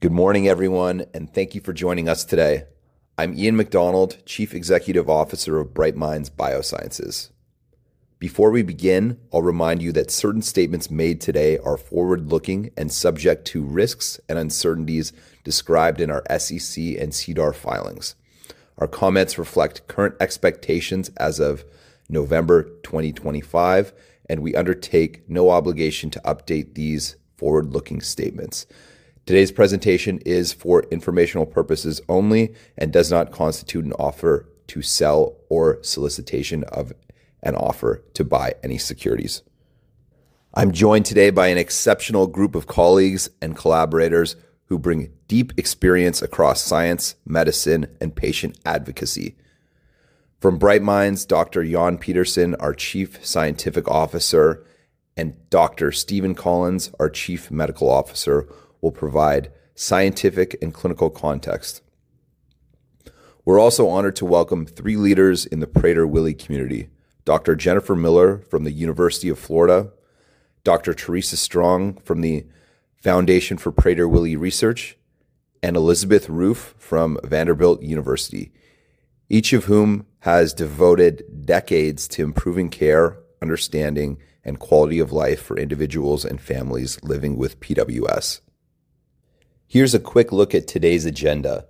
Good morning, everyone, and thank you for joining us today. I'm Ian McDonald, Chief Executive Officer of Bright Minds Biosciences. Before we begin, I'll remind you that certain statements made today are forward-looking and subject to risks and uncertainties described in our SEC and CDOR filings. Our comments reflect current expectations as of November 2025, and we undertake no obligation to update these forward-looking statements. Today's presentation is for informational purposes only and does not constitute an offer to sell or solicitation of an offer to buy any securities. I'm joined today by an exceptional group of colleagues and collaborators who bring deep experience across science, medicine, and patient advocacy. From Bright Minds, Dr. Jan Pedersen, our Chief Scientific Officer, and Dr. Stephen Collins, our Chief Medical Officer, will provide scientific and clinical context. We're also honored to welcome three leaders in the Prader-Willi community: Dr. Jennifer Miller from the University of Florida, Dr. Theresa Strong from the Foundation for Prader-Willi Research, and Elizabeth Roof from Vanderbilt University, each of whom has devoted decades to improving care, understanding, and quality of life for individuals and families living with PWS. Here's a quick look at today's agenda.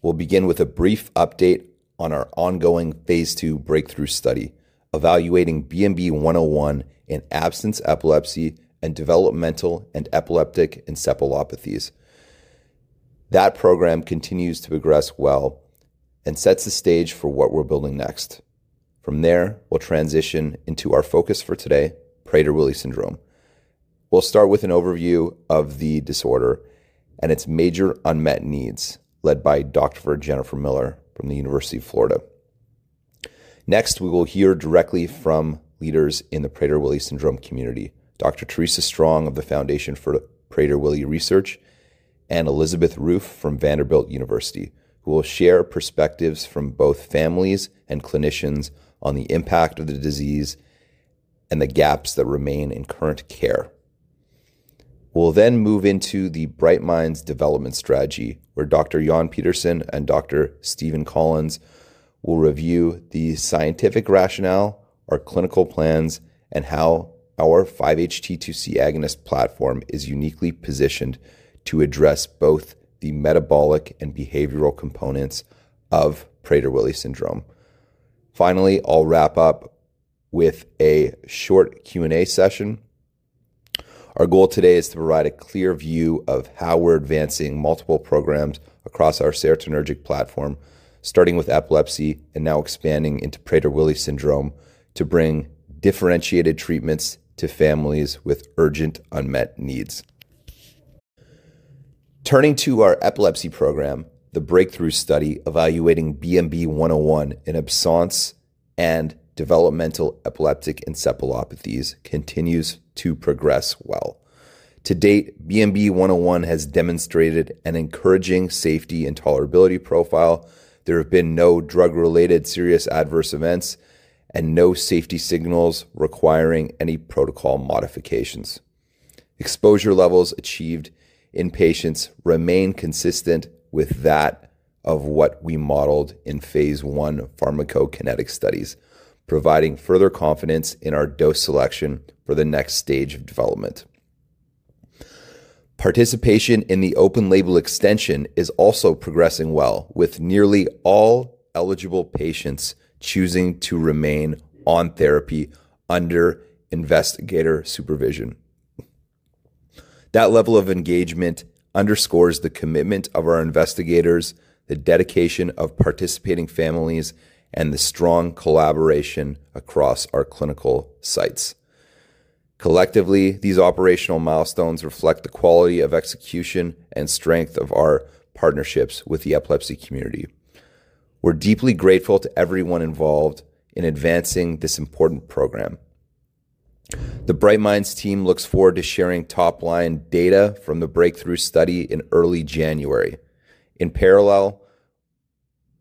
We'll begin with a brief update on our ongoing Phase 2 BREAKTHROUGH Study evaluating BMB-101 in Absence Epilepsy and Developmental and Epileptic Encephalopathies. That program continues to progress well and sets the stage for what we're building next. From there, we'll transition into our focus for today, Prader-Willi Syndrome. We'll start with an overview of the disorder and its major unmet needs, led by Dr. Jennifer Miller from the University of Florida. Next, we will hear directly from leaders in the Prader-Willi Syndrome community: Dr. Theresa Strong of the Foundation for Prader-Willi Research and Elizabeth Roof from Vanderbilt University, who will share perspectives from both families and clinicians on the impact of the disease. The gaps that remain in current care. We'll then move into the Bright Minds Development Strategy, where Dr. Jan Pedersen and Dr. Stephen Collins will review the scientific rationale, our clinical plans, and how our 5-HT2C agonist platform is uniquely positioned to address both the metabolic and behavioral components of Prader-Willi Syndrome. Finally, I'll wrap up with a short Q&A session. Our goal today is to provide a clear view of how we're advancing multiple programs across our serotonergic platform, starting with Epilepsy and now expanding into Prader-Willi Syndrome to bring differentiated treatments to families with urgent unmet needs. Turning to our Epilepsy program, the breakthrough study evaluating BMB-101 in Absence and Developmental Epileptic Encephalopathies continues to progress well. To date, BMB-101 has demonstrated an encouraging safety and tolerability profile. There have been no drug-related serious adverse events and no safety signals requiring any protocol modifications. Exposure levels achieved in patients remain consistent with that of what we modeled in Phase 1 pharmacokinetic studies, providing further confidence in our dose selection for the next stage of development. Participation in the Open-Label Extension is also progressing well, with nearly all eligible patients choosing to remain on therapy under investigator supervision. That level of engagement underscores the commitment of our investigators, the dedication of participating families, and the strong collaboration across our clinical sites. Collectively, these operational milestones reflect the quality of execution and strength of our partnerships with the Epilepsy Community. We're deeply grateful to everyone involved in advancing this important program. The Bright Minds team looks forward to sharing top-line data from the breakthrough study in early January. In parallel,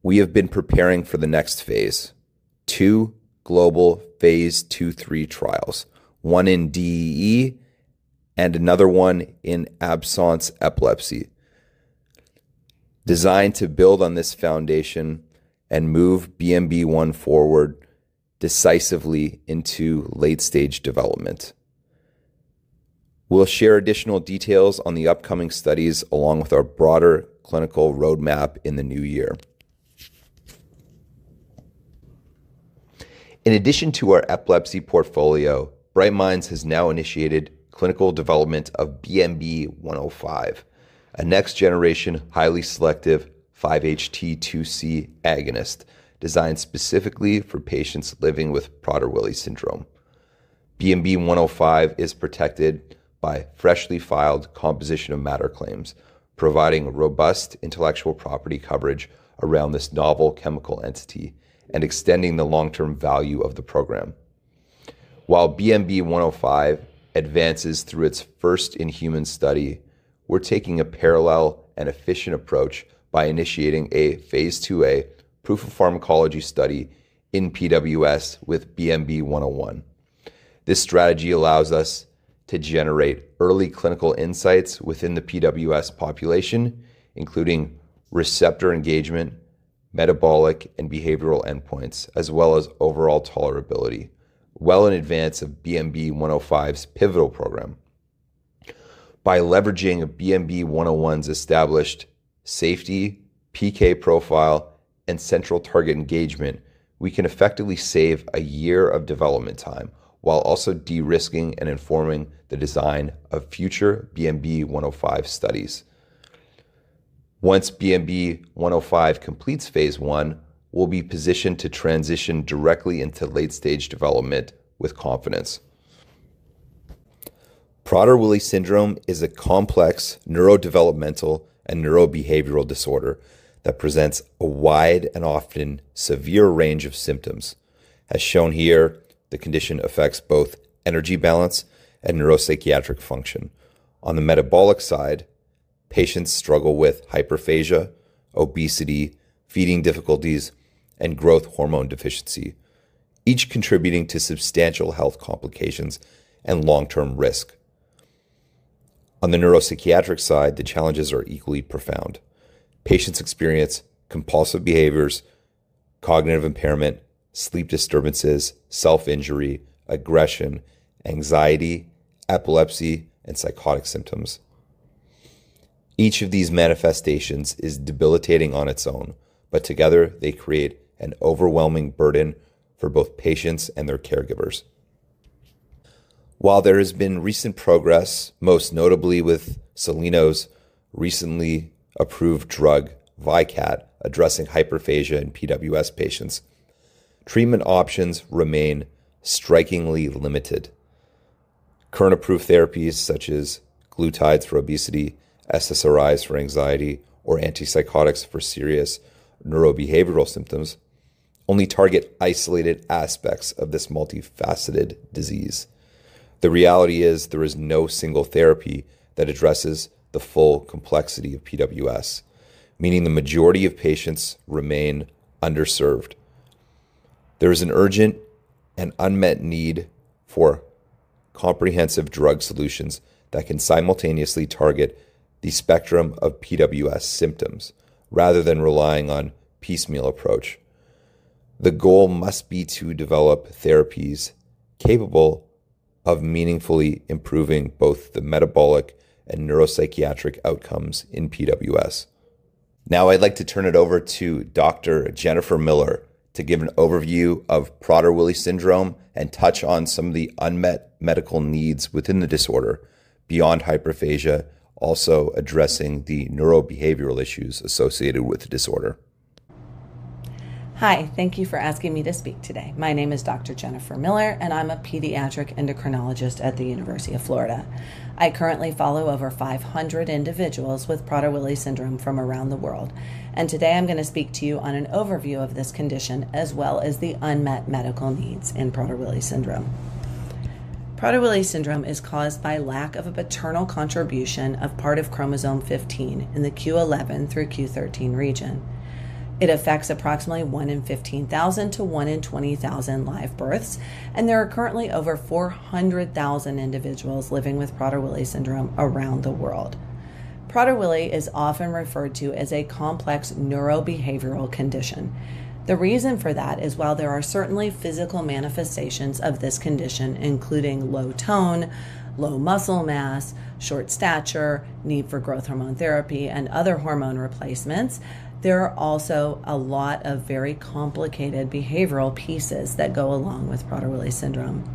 we have been preparing for the next Phase: two global Phase 2/3 Trials, one in DE and another one in Absence Epilepsy. Designed to build on this foundation and move BMB-101 forward decisively into late-stage development. We'll share additional details on the upcoming studies along with our broader clinical roadmap in the new year. In addition to our Epilepsy portfolio, Bright Minds has now initiated clinical development of BMB-105, a next-generation highly selective 5-HT2C agonist designed specifically for patients living with Prader-Willi Syndrome. BMB-105 is protected by freshly filed composition of matter claims, providing robust intellectual property coverage around this novel chemical entity and extending the long-term value of the program. While BMB-105 advances through its first in-human study, we're taking a parallel and efficient approach by initiating a Phase 2a proof of Pharmacology Study in PWS with BMB-101. This strategy allows us to generate early clinical insights within the PWS population, including receptor engagement, metabolic and behavioral endpoints, as well as overall tolerability, well in advance of BMB-105's pivotal program. By leveraging BMB-101's established safety, PK profile, and central target engagement, we can effectively save a year of development time while also de-risking and informing the design of future BMB-105 studies. Once BMB-105 completes Phase 1, we'll be positioned to transition directly into late-stage development with confidence. Prader-Willi Syndrome is a complex neurodevelopmental and neurobehavioral disorder that presents a wide and often severe range of symptoms. As shown here, the condition affects both energy balance and neuropsychiatric function. On the metabolic side, patients struggle with hyperphagia, obesity, feeding difficulties, and growth hormone deficiency, each contributing to substantial health complications and long-term risk. On the neuropsychiatric side, the challenges are equally profound. Patients experience compulsive behaviors, cognitive impairment, sleep disturbances, self-injury, aggression, anxiety, epilepsy, and psychotic symptoms. Each of these manifestations is debilitating on its own, but together they create an overwhelming burden for both patients and their caregivers. While there has been recent progress, most notably with Soleno's recently approved drug, VYKAT, addressing hyperphagia in PWS patients, treatment options remain strikingly limited. Current approved therapies such as glutides for obesity, SSRIs for anxiety, or antipsychotics for serious neurobehavioral symptoms only target isolated aspects of this multifaceted disease. The reality is there is no single therapy that addresses the full complexity of PWS, meaning the majority of patients remain underserved. There is an urgent and unmet need for comprehensive drug solutions that can simultaneously target the spectrum of PWS symptoms rather than relying on a piecemeal approach. The goal must be to develop therapies capable of meaningfully improving both the metabolic and neuropsychiatric outcomes in PWS. Now, I'd like to turn it over to Dr. Jennifer Miller to give an overview of Prader-Willi Syndrome and touch on some of the unmet medical needs within the disorder beyond hyperphagia, also addressing the neurobehavioral issues associated with the disorder. Hi. Thank you for asking me to speak today. My name is Dr. Jennifer Miller, and I'm a Pediatric Endocrinologist at the University of Florida. I currently follow over 500 individuals with Prader-Willi Syndrome from around the world. Today, I'm going to speak to you on an overview of this condition as well as the unmet medical needs in Prader-Willi Syndrome. Prader-Willi Syndrome is caused by lack of a paternal contribution of part of chromosome 15 in the q11 through q13 region. It affects approximately 1 in 15,000 to 1 in 20,000 live births, and there are currently over 400,000 individuals living with Prader-Willi Syndrome around the world. Prader-Willi is often referred to as a complex neurobehavioral condition. The reason for that is while there are certainly physical manifestations of this condition, including low tone, low muscle mass, short stature, need for growth hormone therapy, and other hormone replacements, there are also a lot of very complicated behavioral pieces that go along with Prader-Willi Syndrome.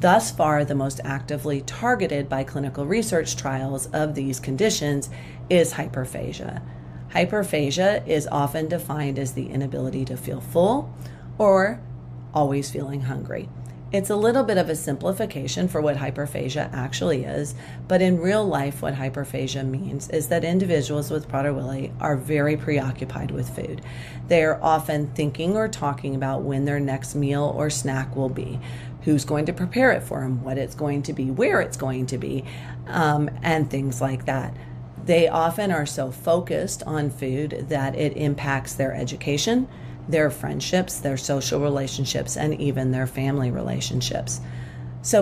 Thus far, the most actively targeted by clinical research trials of these conditions is hyperphagia. Hyperphagia is often defined as the inability to feel full or always feeling hungry. It's a little bit of a simplification for what hyperphagia actually is, but in real life, what hyperphagia means is that individuals with Prader-Willi are very preoccupied with food. They are often thinking or talking about when their next meal or snack will be, who's going to prepare it for them, what it's going to be, where it's going to be, and things like that. They often are so focused on food that it impacts their education, their friendships, their social relationships, and even their family relationships.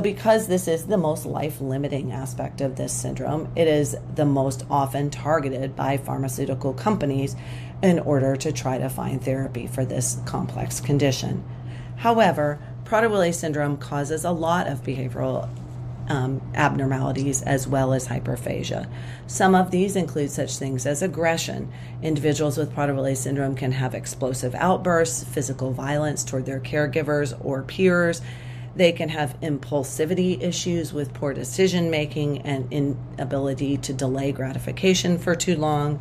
Because this is the most life-limiting aspect of this syndrome, it is the most often targeted by pharmaceutical companies in order to try to find therapy for this complex condition. However, Prader-Willi Syndrome causes a lot of behavioral abnormalities as well as hyperphagia. Some of these include such things as aggression. Individuals with Prader-Willi Syndrome can have explosive outbursts, physical violence toward their caregivers or peers. They can have impulsivity issues with poor decision-making and inability to delay gratification for too long.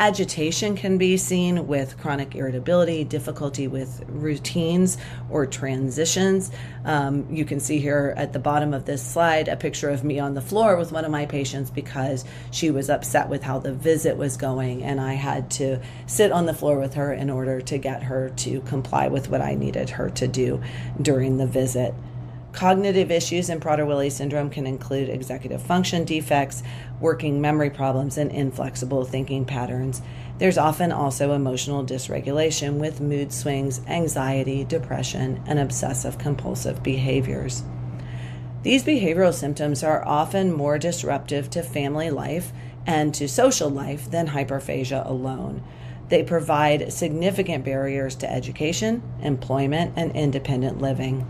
Agitation can be seen with chronic irritability, difficulty with routines or transitions. You can see here at the bottom of this slide a picture of me on the floor with one of my patients because she was upset with how the visit was going, and I had to sit on the floor with her in order to get her to comply with what I needed her to do during the visit. Cognitive issues in Prader-Willi Syndrome can include executive function defects, working memory problems, and inflexible thinking patterns. There's often also emotional dysregulation with mood swings, anxiety, depression, and obsessive-compulsive behaviors. These behavioral symptoms are often more disruptive to family life and to social life than hyperphagia alone. They provide significant barriers to education, employment, and independent living.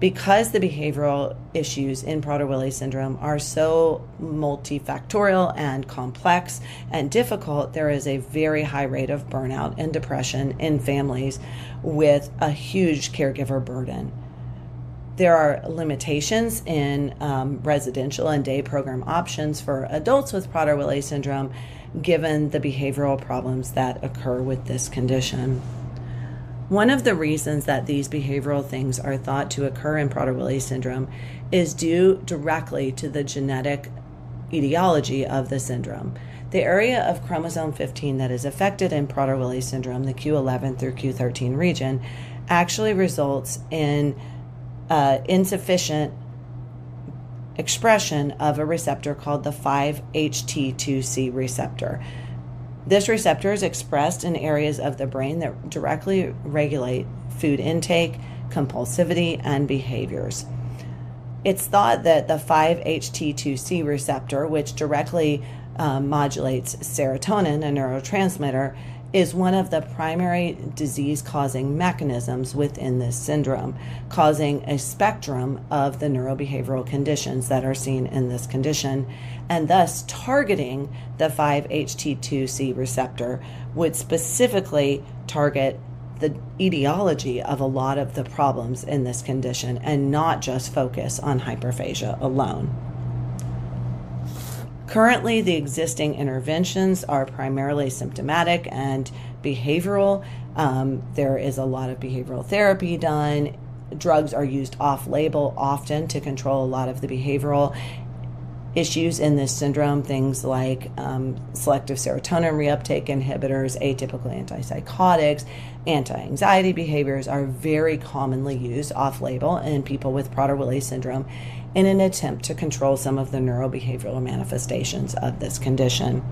Because the behavioral issues in Prader-Willi Syndrome are so multifactorial and complex and difficult, there is a very high rate of burnout and depression in families with a huge caregiver burden. There are limitations in residential and day program options for adults with Prader-Willi Syndrome given the behavioral problems that occur with this condition. One of the reasons that these behavioral things are thought to occur in Prader-Willi Syndrome is due directly to the genetic etiology of the syndrome. The area of chromosome 15 that is affected in Prader-Willi Syndrome, the q11 through q13 region, actually results in insufficient expression of a receptor called the 5-HT2C receptor. This receptor is expressed in areas of the brain that directly regulate food intake, compulsivity, and behaviors. It's thought that the 5-HT2C receptor, which directly modulates serotonin, a neurotransmitter, is one of the primary disease-causing mechanisms within this syndrome, causing a spectrum of the neurobehavioral conditions that are seen in this condition. Thus, targeting the 5-HT2C receptor would specifically target the etiology of a lot of the problems in this condition and not just focus on hyperphagia alone. Currently, the existing interventions are primarily symptomatic and behavioral. There is a lot of behavioral therapy done. Drugs are used off-label often to control a lot of the behavioral issues in this syndrome, things like selective serotonin reuptake inhibitors, atypical antipsychotics, and antianxiety medications are very commonly used off-label in people with Prader-Willi Syndrome in an attempt to control some of the neurobehavioral manifestations of this condition.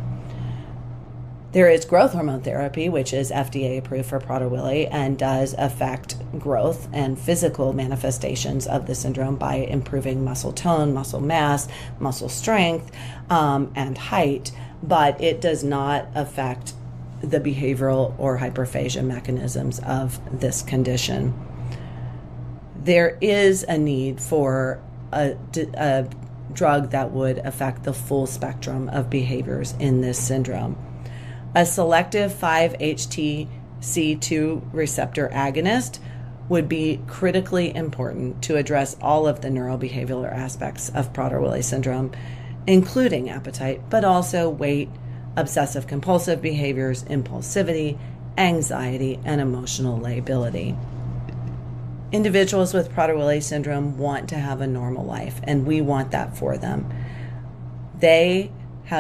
There is growth hormone therapy, which is FDA-approved for Prader-Willi and does affect growth and physical manifestations of the syndrome by improving muscle tone, muscle mass, muscle strength, and height, but it does not affect the behavioral or hyperphagia mechanisms of this condition. There is a need for. A drug that would affect the full spectrum of behaviors in this syndrome. A selective 5-HT2C receptor agonist would be critically important to address all of the neurobehavioral aspects of Prader-Willi Syndrome, including appetite, but also weight, obsessive-compulsive behaviors, impulsivity, anxiety, and emotional lability. Individuals with Prader-Willi Syndrome want to have a normal life, and we want that for them. They have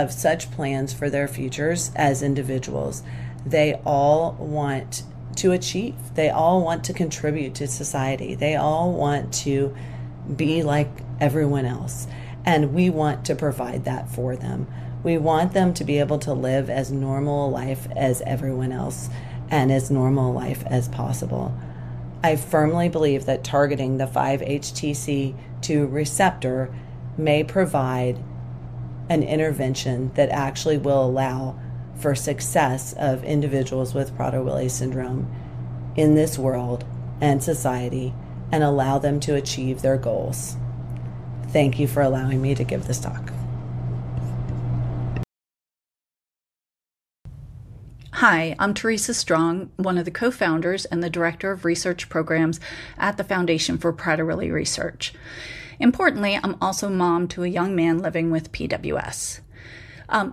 such plans for their futures as individuals. They all want to achieve. They all want to contribute to society. They all want to be like everyone else. We want to provide that for them. We want them to be able to live as normal a life as everyone else and as normal a life as possible. I firmly believe that targeting the 5-HT2C receptor may provide. An intervention that actually will allow for success of individuals with Prader-Willi Syndrome in this world and society and allow them to achieve their goals. Thank you for allowing me to give this talk. Hi. I'm Theresa Strong, one of the co-founders and the Director of Research Programs at the Foundation for Prader-Willi Research. Importantly, I'm also a mom to a young man living with PWS.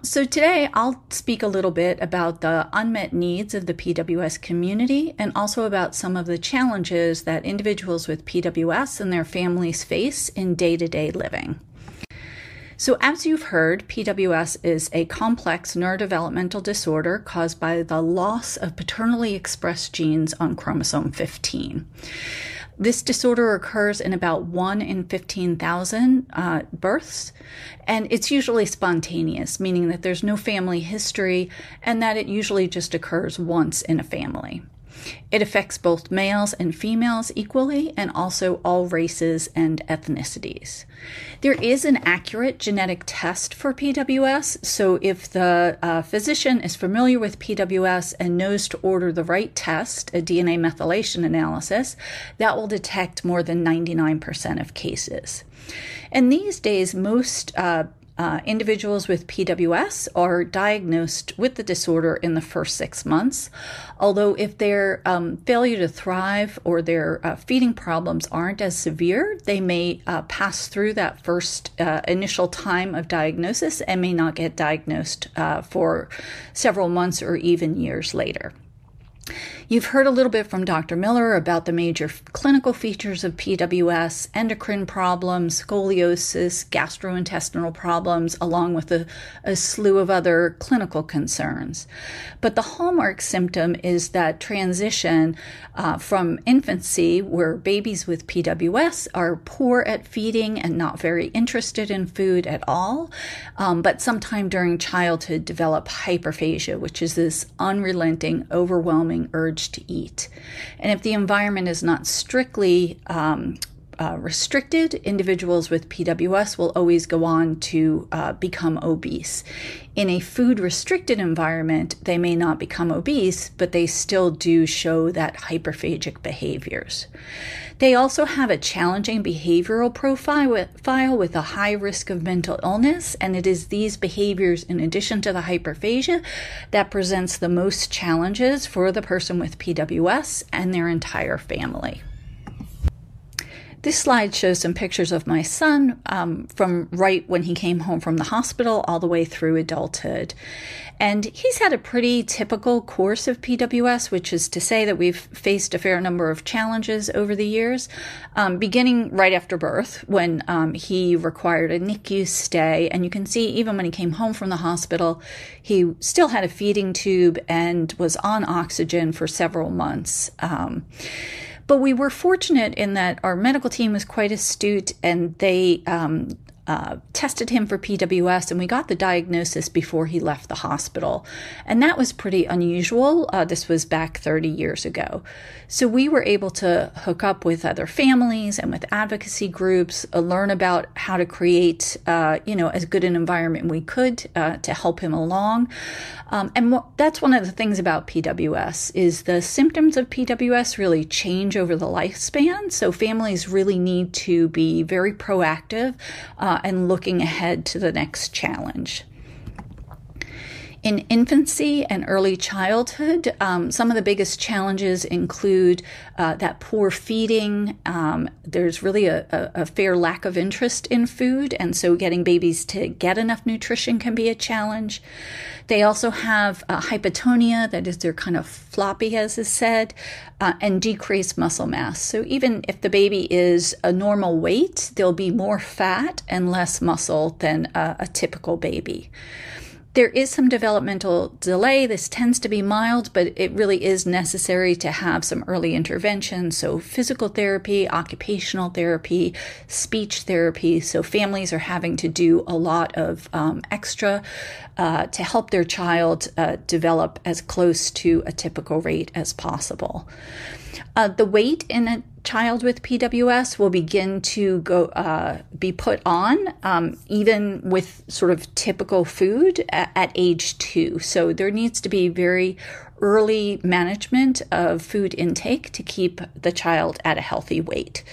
Today, I'll speak a little bit about the unmet needs of the PWS community and also about some of the challenges that individuals with PWS and their families face in day-to-day living. As you've heard, PWS is a complex neurodevelopmental disorder caused by the loss of paternally expressed genes on chromosome 15. This disorder occurs in about 1 in 15,000 births, and it's usually spontaneous, meaning that there's no family history and that it usually just occurs once in a family. It affects both males and females equally and also all races and ethnicities. There is an accurate genetic test for PWS, so if the physician is familiar with PWS and knows to order the right test, a DNA methylation analysis, that will detect more than 99% of cases. In these days, most individuals with PWS are diagnosed with the disorder in the first six months, although if their failure to thrive or their feeding problems are not as severe, they may pass through that first initial time of diagnosis and may not get diagnosed for several months or even years later. You have heard a little bit from Dr. Miller about the major clinical features of PWS: endocrine problems, scoliosis, gastrointestinal problems, along with a slew of other clinical concerns. The hallmark symptom is that transition from infancy, where babies with PWS are poor at feeding and not very interested in food at all, but sometime during childhood develop hyperphagia, which is this unrelenting, overwhelming urge to eat. If the environment is not strictly restricted, individuals with PWS will always go on to become obese. In a food-restricted environment, they may not become obese, but they still do show that hyperphagic behaviors. They also have a challenging behavioral profile with a high risk of mental illness, and it is these behaviors, in addition to the hyperphagia, that presents the most challenges for the person with PWS and their entire family. This slide shows some pictures of my son from right when he came home from the hospital all the way through adulthood. He's had a pretty typical course of PWS, which is to say that we've faced a fair number of challenges over the years, beginning right after birth when he required a NICU stay. You can see even when he came home from the hospital, he still had a feeding tube and was on oxygen for several months. We were fortunate in that our medical team was quite astute, and they tested him for PWS, and we got the diagnosis before he left the hospital. That was pretty unusual. This was back 30 years ago. We were able to hook up with other families and with advocacy groups, learn about how to create as good an environment as we could to help him along. That's one of the things about PWS: the symptoms of PWS really change over the lifespan, so families really need to be very proactive and looking ahead to the next challenge. In infancy and early childhood, some of the biggest challenges include that poor feeding. There's really a fair lack of interest in food, and getting babies to get enough nutrition can be a challenge. They also have hypotonia, that is, they're kind of floppy, as is said, and decreased muscle mass. Even if the baby is a normal weight, there will be more fat and less muscle than a typical baby. There is some developmental delay. This tends to be mild, but it really is necessary to have some early intervention, physical therapy, occupational therapy, speech therapy. Families are having to do a lot of. Extra to help their child develop as close to a typical rate as possible. The weight in a child with PWS will begin to be put on even with sort of typical food at age two. There needs to be very early management of food intake to keep the child at a healthy weight.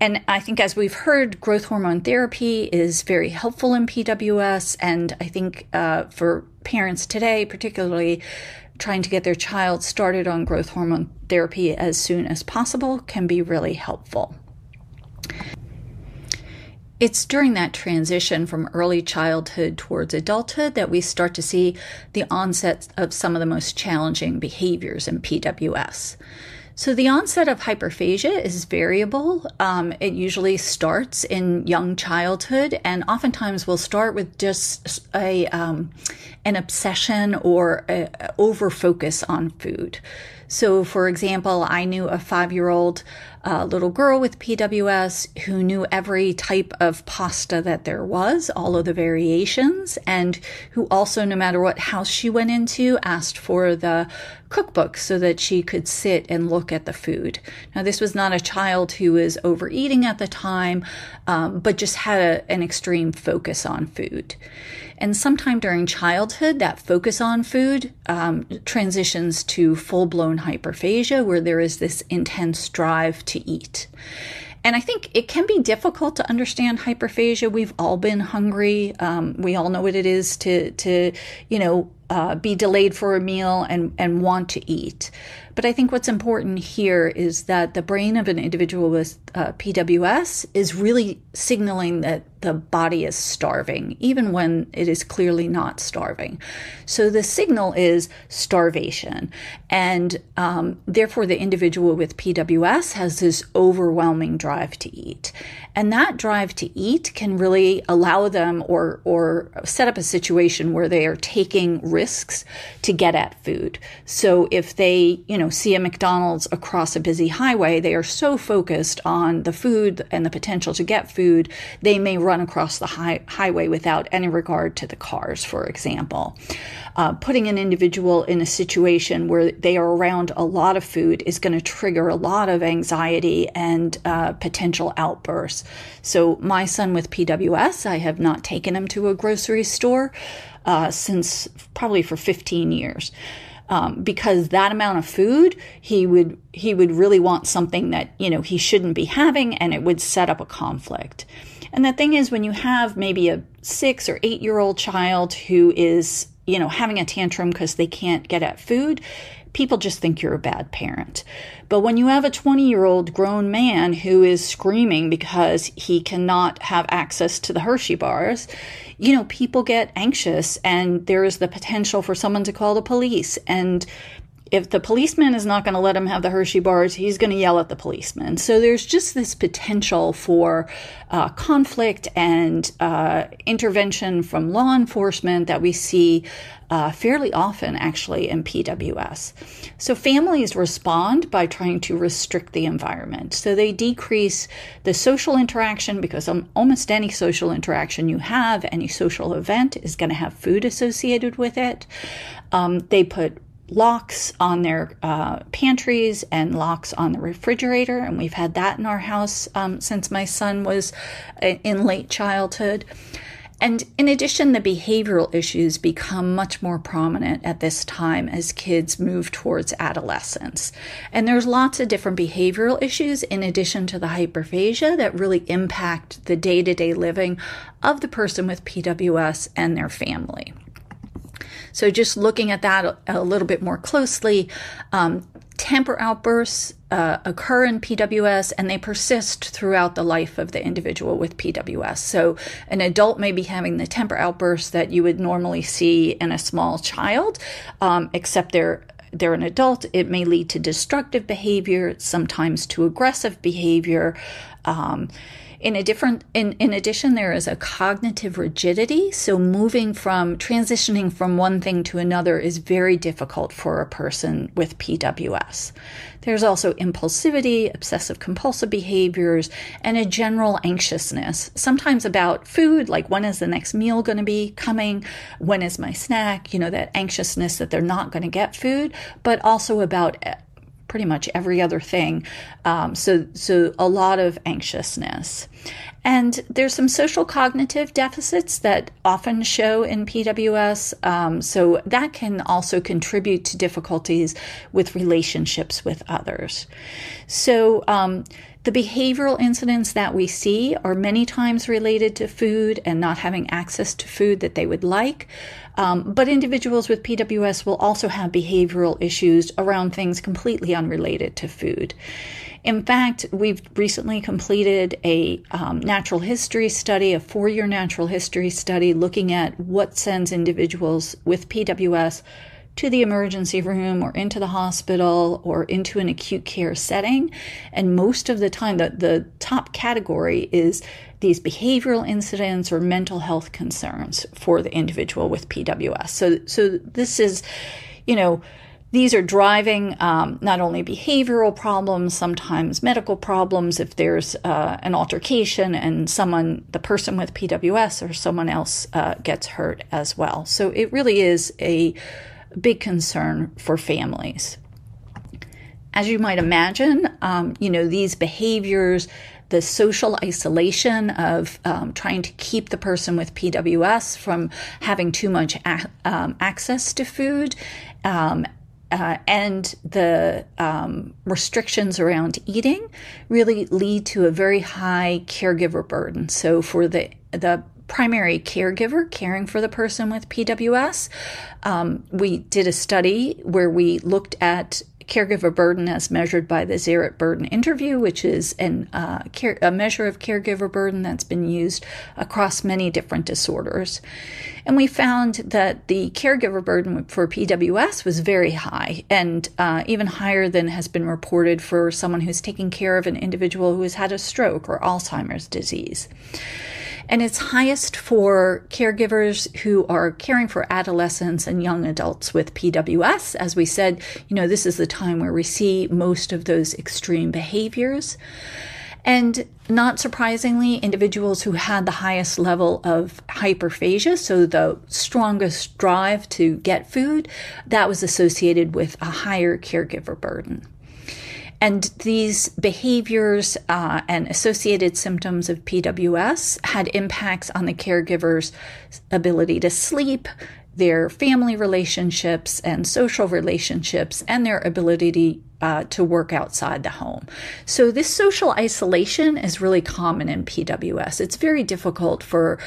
I think, as we've heard, growth hormone therapy is very helpful in PWS, and I think for parents today, particularly trying to get their child started on growth hormone therapy as soon as possible, can be really helpful. It's during that transition from early childhood towards adulthood that we start to see the onset of some of the most challenging behaviors in PWS. The onset of hyperphagia is variable. It usually starts in young childhood and oftentimes will start with just an obsession or an overfocus on food. For example, I knew a five-year-old little girl with PWS who knew every type of pasta that there was, all of the variations, and who also, no matter what house she went into, asked for the cookbook so that she could sit and look at the food. This was not a child who was overeating at the time, but just had an extreme focus on food. Sometime during childhood, that focus on food transitions to full-blown hyperphagia, where there is this intense drive to eat. I think it can be difficult to understand hyperphagia. We've all been hungry. We all know what it is to be delayed for a meal and want to eat. I think what's important here is that the brain of an individual with PWS is really signaling that the body is starving, even when it is clearly not starving. The signal is starvation. Therefore, the individual with PWS has this overwhelming drive to eat. That drive to eat can really allow them or set up a situation where they are taking risks to get at food. If they see a McDonald's across a busy highway, they are so focused on the food and the potential to get food, they may run across the highway without any regard to the cars, for example. Putting an individual in a situation where they are around a lot of food is going to trigger a lot of anxiety and potential outbursts. My son with PWS, I have not taken him to a grocery store since probably for 15 years. That amount of food, he would really want something that he should not be having, and it would set up a conflict. The thing is, when you have maybe a six or eight-year-old child who is having a tantrum because they can't get at food, people just think you're a bad parent. When you have a 20-year-old grown man who is screaming because he cannot have access to the Hershey bars, people get anxious, and there is the potential for someone to call the police. If the policeman is not going to let him have the Hershey bars, he's going to yell at the policeman. There is just this potential for conflict and intervention from law enforcement that we see fairly often, actually, in PWS. Families respond by trying to restrict the environment. They decrease the social interaction because almost any social interaction you have, any social event, is going to have food associated with it. They put locks on their pantries and locks on the refrigerator, and we've had that in our house since my son was in late childhood. In addition, the behavioral issues become much more prominent at this time as kids move towards adolescence. There are lots of different behavioral issues, in addition to the hyperphagia, that really impact the day-to-day living of the person with PWS and their family. Just looking at that a little bit more closely, temper outbursts occur in PWS, and they persist throughout the life of the individual with PWS. An adult may be having the temper outbursts that you would normally see in a small child, except they're an adult. It may lead to destructive behavior, sometimes to aggressive behavior. In addition, there is a cognitive rigidity, so moving from transitioning from one thing to another is very difficult for a person with PWS. There's also impulsivity, obsessive-compulsive behaviors, and a general anxiousness, sometimes about food, like, "When is the next meal going to be coming? When is my snack?" That anxiousness that they're not going to get food, but also about pretty much every other thing. A lot of anxiousness. There are some social cognitive deficits that often show in PWS, so that can also contribute to difficulties with relationships with others. The behavioral incidents that we see are many times related to food and not having access to food that they would like, but individuals with PWS will also have behavioral issues around things completely unrelated to food. In fact, we've recently completed a natural history study, a four-year natural history study, looking at what sends individuals with PWS to the emergency room or into the hospital or into an acute care setting. Most of the time, the top category is these behavioral incidents or mental health concerns for the individual with PWS. These are driving not only behavioral problems, sometimes medical problems if there's an altercation and the person with PWS or someone else gets hurt as well. It really is a big concern for families, as you might imagine. These behaviors, the social isolation of trying to keep the person with PWS from having too much access to food, and the restrictions around eating really lead to a very high caregiver burden for the primary caregiver caring for the person with PWS. We did a study where we looked at caregiver burden as measured by the Zarit Burden Interview, which is a measure of caregiver burden that's been used across many different disorders. We found that the caregiver burden for PWS was very high and even higher than has been reported for someone who's taking care of an individual who has had a stroke or Alzheimer's disease. It is highest for caregivers who are caring for adolescents and young adults with PWS. As we said, this is the time where we see most of those extreme behaviors. Not surprisingly, individuals who had the highest level of hyperphagia, so the strongest drive to get food, that was associated with a higher caregiver burden. These behaviors and associated symptoms of PWS had impacts on the caregiver's ability to sleep, their family relationships and social relationships, and their ability to work outside the home. This social isolation is really common in PWS. It is very difficult for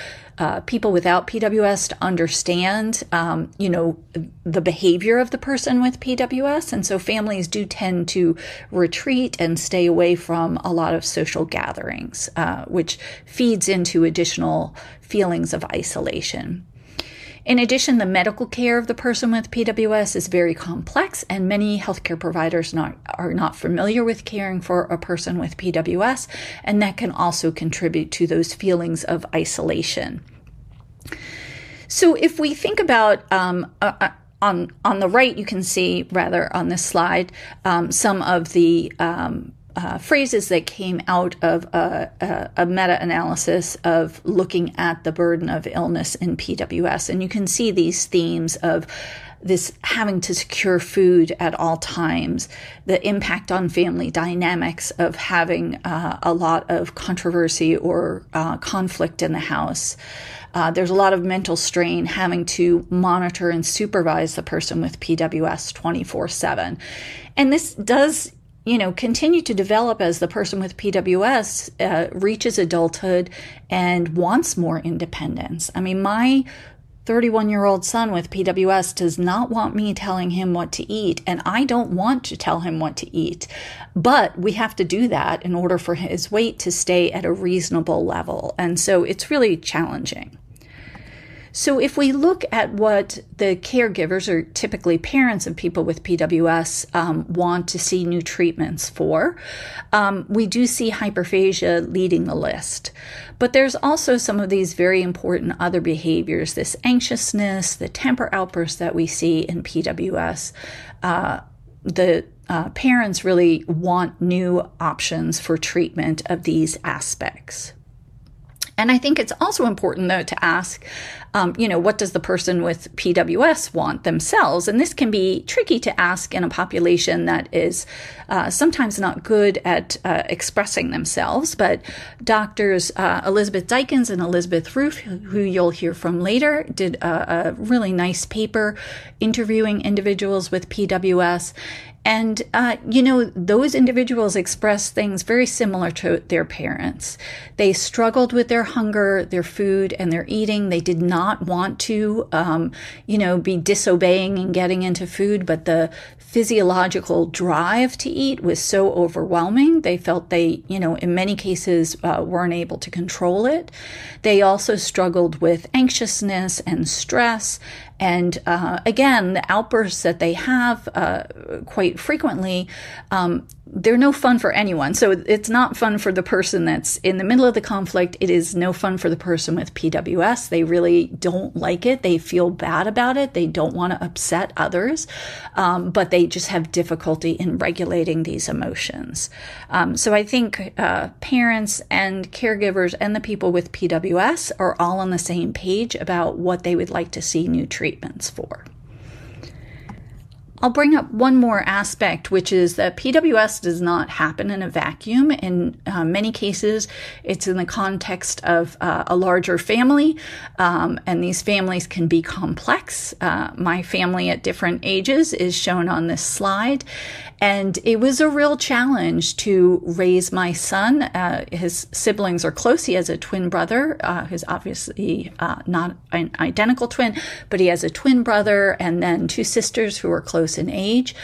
people without PWS to understand the behavior of the person with PWS. Families do tend to retreat and stay away from a lot of social gatherings, which feeds into additional feelings of isolation. In addition, the medical care of the person with PWS is very complex, and many healthcare providers are not familiar with caring for a person with PWS, and that can also contribute to those feelings of isolation. If we think about, on the right, you can see, rather on this slide, some of the phrases that came out of a meta-analysis of looking at the burden of illness in PWS. You can see these themes of this having to secure food at all times, the impact on family dynamics of having a lot of controversy or conflict in the house. There is a lot of mental strain having to monitor and supervise the person with PWS 24/7. This does continue to develop as the person with PWS reaches adulthood and wants more independence. I mean, my 31-year-old son with PWS does not want me telling him what to eat, and I do not want to tell him what to eat, but we have to do that in order for his weight to stay at a reasonable level. It is really challenging. If we look at what the caregivers, or typically parents of people with PWS, want to see new treatments for, we do see hyperphagia leading the list. There are also some of these very important other behaviors, this anxiousness, the temper outbursts that we see in PWS. The parents really want new options for treatment of these aspects. I think it is also important, though, to ask. What does the person with PWS want themselves? This can be tricky to ask in a population that is sometimes not good at expressing themselves. Doctors Elizabeth Dykens and Elizabeth Roof, who you will hear from later, did a really nice paper interviewing individuals with PWS. Those individuals expressed things very similar to their parents. They struggled with their hunger, their food, and their eating. They did not want to be disobeying and getting into food, but the physiological drive to eat was so overwhelming, they felt they, in many cases, were not able to control it. They also struggled with anxiousness and stress. The outbursts that they have, quite frequently, are no fun for anyone. It is not fun for the person that is in the middle of the conflict. It is no fun for the person with PWS. They really do not like it. They feel bad about it. They do not want to upset others, but they just have difficulty in regulating these emotions. I think parents and caregivers and the people with PWS are all on the same page about what they would like to see new treatments for. I will bring up one more aspect, which is that PWS does not happen in a vacuum. In many cases, it is in the context of a larger family, and these families can be complex. My family at different ages is shown on this slide. It was a real challenge to raise my son. His siblings are close. He has a twin brother, who's obviously not an identical twin, but he has a twin brother and then two sisters who are close in age.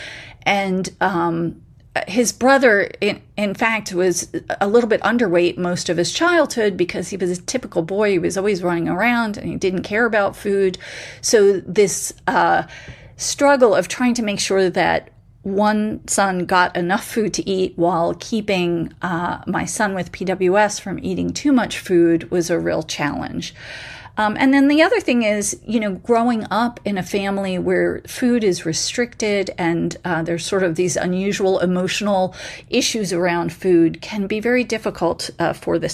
His brother, in fact, was a little bit underweight most of his childhood because he was a typical boy. He was always running around, and he didn't care about food. This struggle of trying to make sure that one son got enough food to eat while keeping my son with PWS from eating too much food was a real challenge. The other thing is, growing up in a family where food is restricted and there's sort of these unusual emotional issues around food can be very difficult for the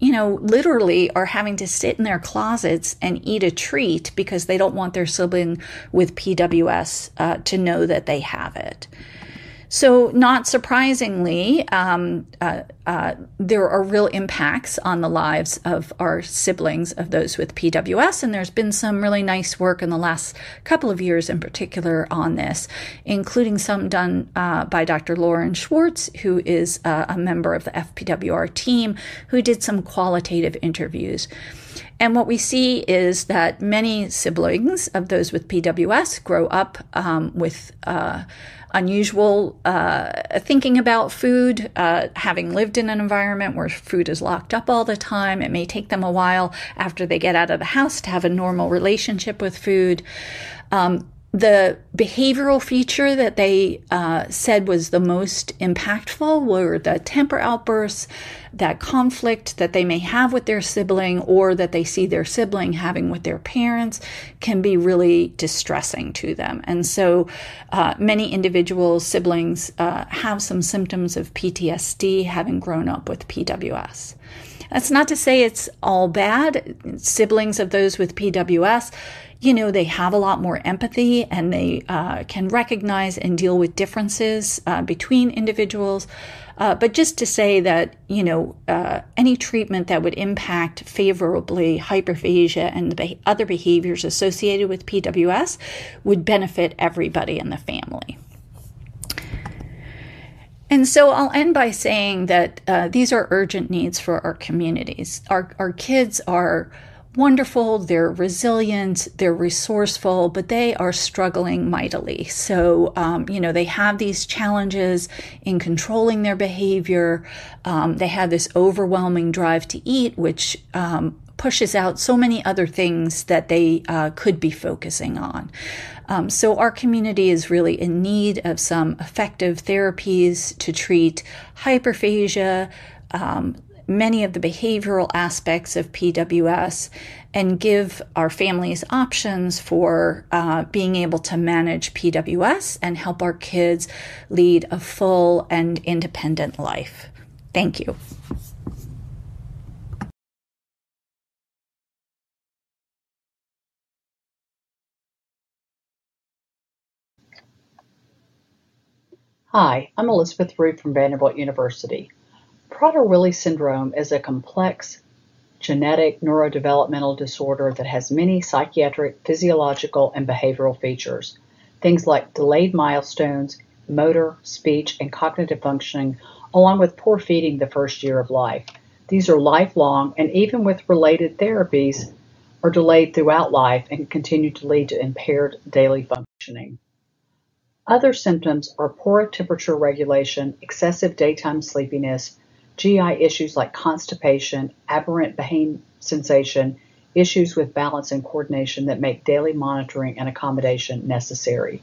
siblings. These kids, literally, are having to sit in their closets and eat a treat because they don't want their sibling with PWS to know that they have it. Not surprisingly, there are real impacts on the lives of siblings of those with PWS. There has been some really nice work in the last couple of years, in particular on this, including some done by Dr. Lauren Schwartz, who is a member of the FPWR team, who did some qualitative interviews. What we see is that many siblings of those with PWS grow up with unusual thinking about food, having lived in an environment where food is locked up all the time. It may take them a while after they get out of the house to have a normal relationship with food. The behavioral feature that they said was the most impactful were the temper outbursts. That conflict that they may have with their sibling or that they see their sibling having with their parents can be really distressing to them. Many individual siblings have some symptoms of PTSD having grown up with PWS. That's not to say it's all bad. Siblings of those with PWS, they have a lot more empathy, and they can recognize and deal with differences between individuals. Just to say that. Any treatment that would impact favorably hyperphagia and other behaviors associated with PWS would benefit everybody in the family. I'll end by saying that these are urgent needs for our communities. Our kids are wonderful. They're resilient. They're resourceful, but they are struggling mightily. They have these challenges in controlling their behavior. They have this overwhelming drive to eat, which pushes out so many other things that they could be focusing on. Our community is really in need of some effective therapies to treat hyperphagia, many of the behavioral aspects of PWS, and give our families options for. Being able to manage PWS and help our kids lead a full and independent life. Thank you. Hi, I'm Elizabeth Roof from Vanderbilt University. Prader-Willi Syndrome is a complex genetic neurodevelopmental disorder that has many psychiatric, physiological, and behavioral features, things like delayed milestones, motor, speech, and cognitive functioning, along with poor feeding the first year of life. These are lifelong, and even with related therapies, are delayed throughout life and continue to lead to impaired daily functioning. Other symptoms are poor temperature regulation, excessive daytime sleepiness, GI issues like constipation, aberrant pain sensation, issues with balance and coordination that make daily monitoring and accommodation necessary.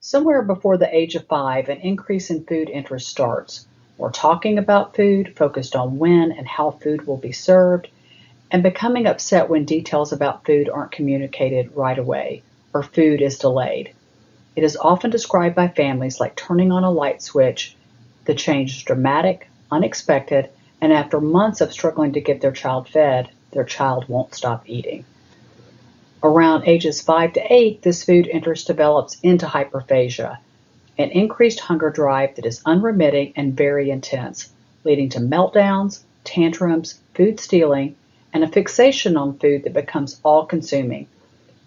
Somewhere before the age of five, an increase in food interest starts. We're talking about food, focused on when and how food will be served, and becoming upset when details about food aren't communicated right away or food is delayed. It is often described by families like turning on a light switch. The change is dramatic, unexpected, and after months of struggling to get their child fed, their child won't stop eating. Around ages 5-8, this food interest develops into hyperphagia, an increased hunger drive that is unremitting and very intense, leading to meltdowns, tantrums, food stealing, and a fixation on food that becomes all-consuming.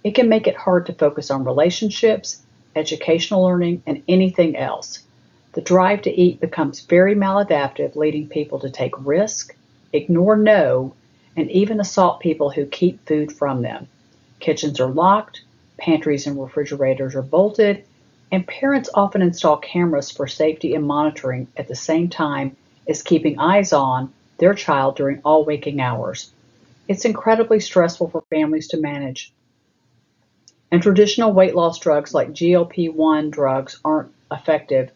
It can make it hard to focus on relationships, educational learning, and anything else. The drive to eat becomes very maladaptive, leading people to take risks, ignore no, and even assault people who keep food from them. Kitchens are locked, pantries and refrigerators are bolted, and parents often install cameras for safety and monitoring at the same time as keeping eyes on their child during all waking hours. It's incredibly stressful for families to manage. Traditional weight loss drugs like GLP-1 drugs are not effective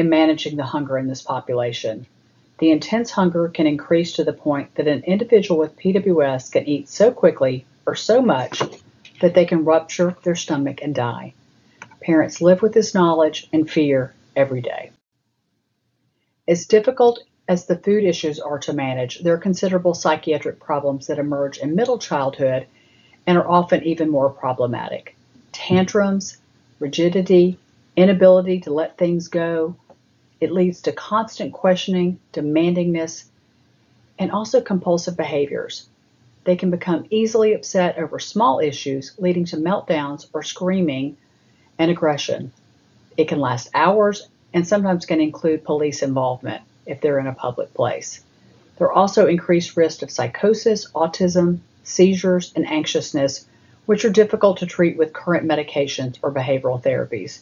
in managing the hunger in this population. The intense hunger can increase to the point that an individual with PWS can eat so quickly or so much that they can rupture their stomach and die. Parents live with this knowledge and fear every day. As difficult as the food issues are to manage, there are considerable psychiatric problems that emerge in middle childhood and are often even more problematic. Tantrums, rigidity, inability to let things go, it leads to constant questioning, demandingness. Also compulsive behaviors. They can become easily upset over small issues, leading to meltdowns or screaming and aggression. It can last hours and sometimes can include police involvement if they are in a public place. There are also increased risks of psychosis, autism, seizures, and anxiousness, which are difficult to treat with current medications or behavioral therapies,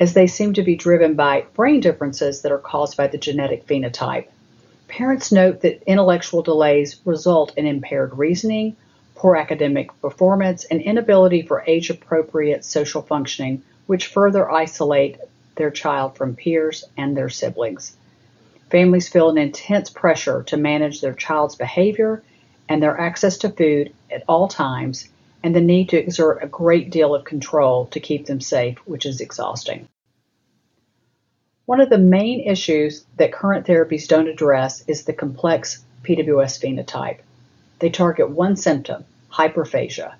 as they seem to be driven by brain differences that are caused by the genetic phenotype. Parents note that intellectual delays result in impaired reasoning, poor academic performance, and inability for age-appropriate social functioning, which further isolate their child from peers and their siblings. Families feel an intense pressure to manage their child's behavior and their access to food at all times, and the need to exert a great deal of control to keep them safe, which is exhausting. One of the main issues that current therapies do not address is the complex PWS phenotype. They target one symptom, hyperphagia,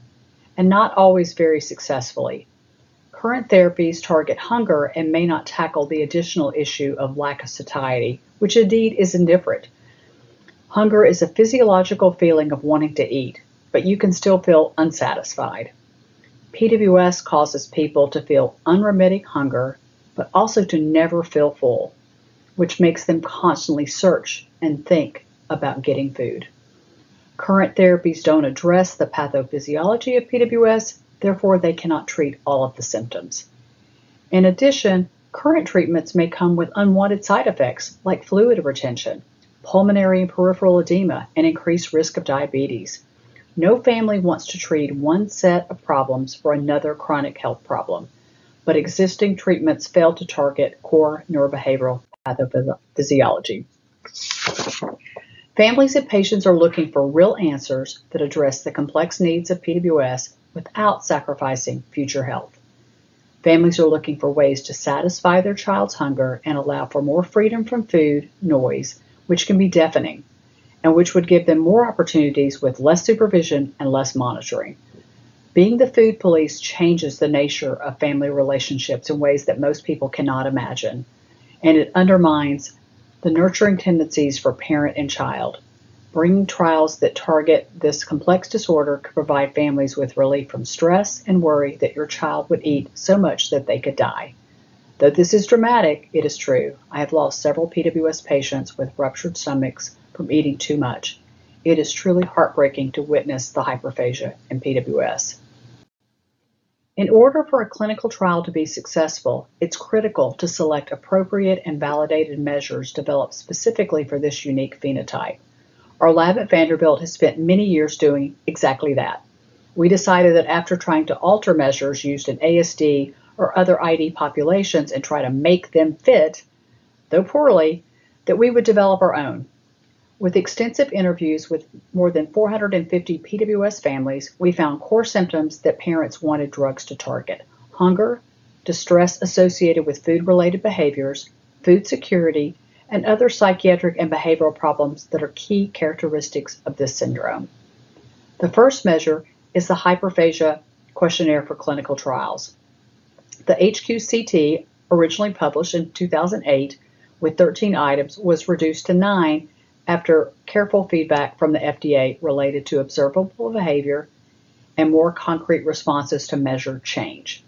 and not always very successfully. Current therapies target hunger and may not tackle the additional issue of lack of satiety, which indeed is indifferent. Hunger is a physiological feeling of wanting to eat, but you can still feel unsatisfied. PWS causes people to feel unremitting hunger, but also to never feel full, which makes them constantly search and think about getting food. Current therapies do not address the pathophysiology of PWS. Therefore, they cannot treat all of the symptoms. In addition, current treatments may come with unwanted side effects like fluid retention, pulmonary and peripheral edema, and increased risk of diabetes. No family wants to treat one set of problems for another chronic health problem, but existing treatments fail to target core neurobehavioral pathophysiology. Families and patients are looking for real answers that address the complex needs of PWS without sacrificing future health. Families are looking for ways to satisfy their child's hunger and allow for more freedom from food noise, which can be deafening and which would give them more opportunities with less supervision and less monitoring. Being the food police changes the nature of family relationships in ways that most people cannot imagine, and it undermines the nurturing tendencies for parent and child. Bringing trials that target this complex disorder could provide families with relief from stress and worry that your child would eat so much that they could die. Though this is dramatic, it is true. I have lost several PWS patients with ruptured stomachs from eating too much. It is truly heartbreaking to witness the hyperphagia in PWS. In order for a clinical trial to be successful, it's critical to select appropriate and validated measures developed specifically for this unique phenotype. Our lab at Vanderbilt has spent many years doing exactly that. We decided that after trying to alter measures used in ASD or other ID populations and try to make them fit, though poorly, that we would develop our own. With extensive interviews with more than 450 PWS families, we found core symptoms that parents wanted drugs to target: hunger, distress associated with food-related behaviors, food security, and other psychiatric and behavioral problems that are key characteristics of this syndrome. The first measure is the Hyperphagia Questionnaire for Clinical Trials. The HQCT, originally published in 2008 with 13 items, was reduced to 9 after careful feedback from the FDA related to observable behavior and more concrete responses to measure change.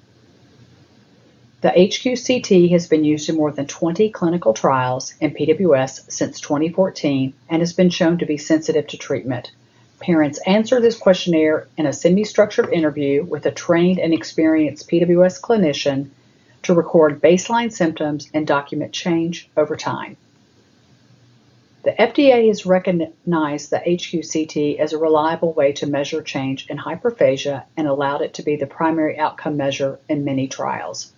The HQCT has been used in more than 20 clinical trials in PWS since 2014 and has been shown to be sensitive to treatment. Parents answer this questionnaire in a semi-structured interview with a trained and experienced PWS clinician to record baseline symptoms and document change over time. The FDA has recognized the HQCT as a reliable way to measure change in hyperphagia and allowed it to be the primary outcome measure in many trials.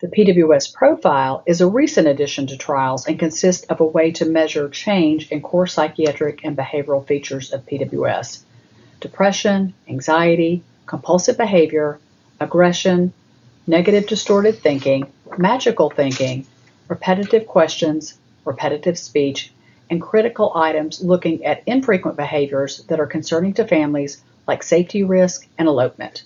The PWS Profile is a recent addition to trials and consists of a way to measure change in core psychiatric and behavioral features of PWS: depression, anxiety, compulsive behavior, aggression, negative distorted thinking, magical thinking, repetitive questions, repetitive speech, and critical items looking at infrequent behaviors that are concerning to families like safety risk and elopement.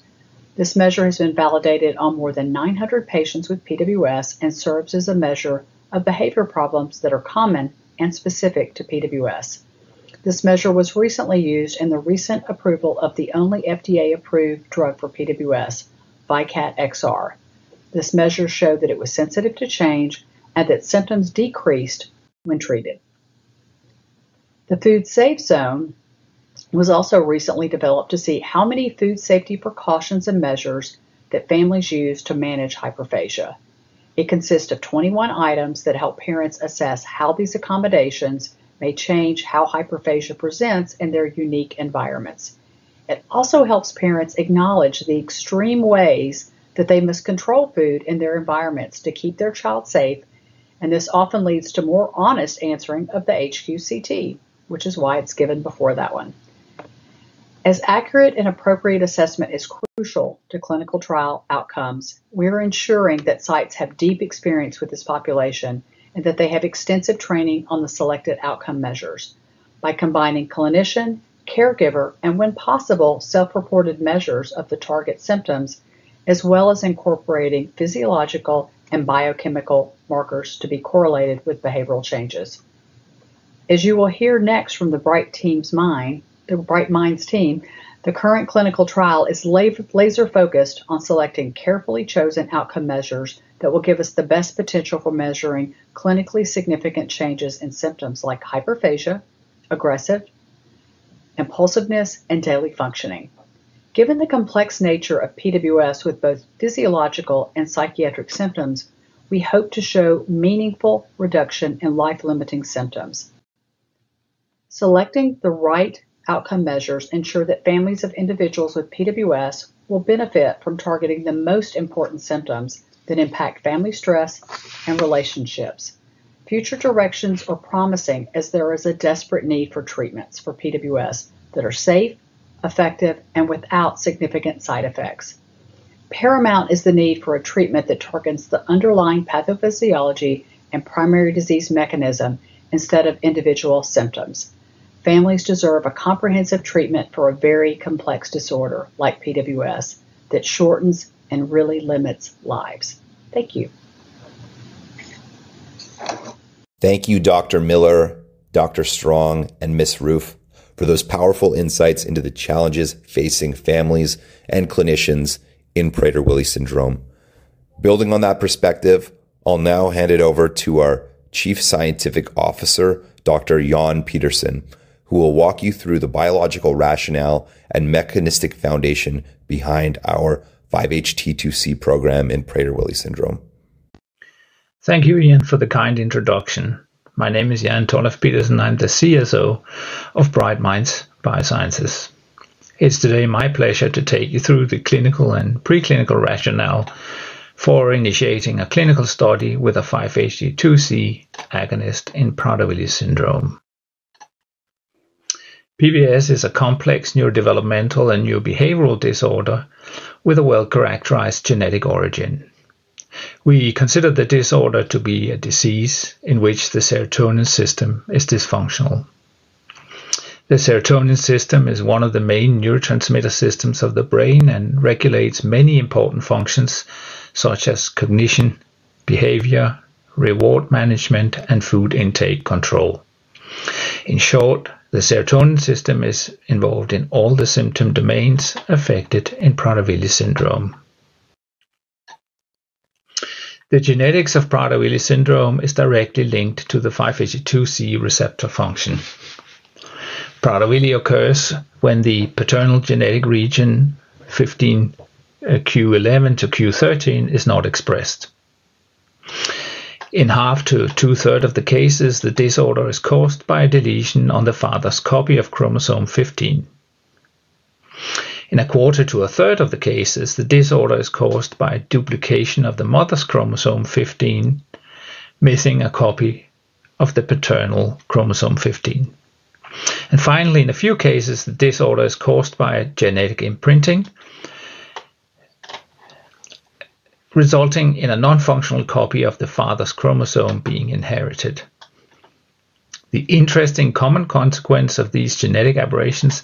This measure has been validated on more than 900 patients with PWS and serves as a measure of behavior problems that are common and specific to PWS. This measure was recently used in the recent approval of the only FDA-approved drug for PWS, VYKAT XR. This measure showed that it was sensitive to change and that symptoms decreased when treated. The Food Safe Zone was also recently developed to see how many food safety precautions and measures that families use to manage hyperphagia. It consists of 21 items that help parents assess how these accommodations may change how hyperphagia presents in their unique environments. It also helps parents acknowledge the extreme ways that they must control food in their environments to keep their child safe, and this often leads to more honest answering of the HQCT, which is why it's given before that one. As accurate and appropriate assessment is crucial to clinical trial outcomes, we are ensuring that sites have deep experience with this population and that they have extensive training on the selected outcome measures by combining clinician, caregiver, and, when possible, self-reported measures of the target symptoms, as well as incorporating physiological and biochemical markers to be correlated with behavioral changes. As you will hear next from the Bright Minds team, the current clinical trial is laser-focused on selecting carefully chosen outcome measures that will give us the best potential for measuring clinically significant changes in symptoms like hyperphagia, aggressive impulsiveness, and daily functioning. Given the complex nature of PWS with both physiological and psychiatric symptoms, we hope to show meaningful reduction in life-limiting symptoms. Selecting the right outcome measures ensures that families of individuals with PWS will benefit from targeting the most important symptoms that impact family stress and relationships. Future directions are promising as there is a desperate need for treatments for PWS that are safe, effective, and without significant side effects. Paramount is the need for a treatment that targets the underlying pathophysiology and primary disease mechanism instead of individual symptoms. Families deserve a comprehensive treatment for a very complex disorder like PWS that shortens and really limits lives. Thank you. Thank you, Dr. Miller, Dr. Strong, and Ms. Roof, for those powerful insights into the challenges facing families and clinicians in Prader-Willi syndrome. Building on that perspective, I'll now hand it over to our Chief Scientific Officer, Dr. Jan Pederson, who will walk you through the biological rationale and mechanistic foundation behind our 5-HT2C program in Prader-Willi syndrome. Thank you, Ian, for the kind introduction. My name is Jan Torleif Pedersen. I'm the CSO of Bright Minds Biosciences. It's today my pleasure to take you through the clinical and preclinical rationale for initiating a clinical study with a 5-HT2C agonist in Prader-Willi Syndrome. PWS is a complex neurodevelopmental and neurobehavioral disorder with a well-characterized genetic origin. We consider the disorder to be a disease in which the serotonin system is dysfunctional. The serotonin system is one of the main neurotransmitter systems of the brain and regulates many important functions such as cognition, behavior, reward management, and food intake control. In short, the serotonin system is involved in all the symptom domains affected in Prader-Willi syndrome. The genetics of Prader-Willi syndrome is directly linked to the 5-HT2C receptor function. Prader-Willi occurs when the paternal genetic region 15q11-q13 is not expressed. In half to two-thirds of the cases, the disorder is caused by a deletion on the father's copy of chromosome 15. In a quarter to a third of the cases, the disorder is caused by duplication of the mother's chromosome 15. Missing a copy of the paternal chromosome 15. Finally, in a few cases, the disorder is caused by genetic imprinting. Resulting in a non-functional copy of the father's chromosome being inherited. The interesting common consequence of these genetic aberrations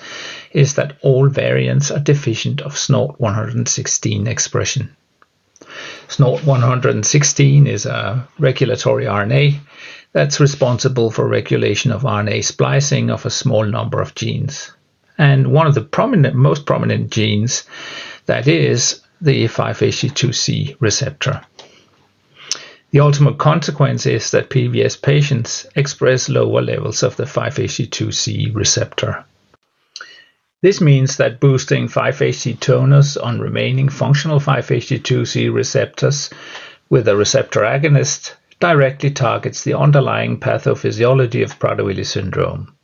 is that all variants are deficient of SNORD116 expression. SNORD116 is a regulatory RNA that's responsible for regulation of RNA splicing of a small number of genes and one of the most prominent genes that is the 5-HT2C receptor. The ultimate consequence is that PWS patients express lower levels of the 5-HT2C receptor. This means that boosting 5-HT2C on remaining functional 5-HT2C receptors with a receptor agonist directly targets the underlying pathophysiology of Prader-Willi Syndrome.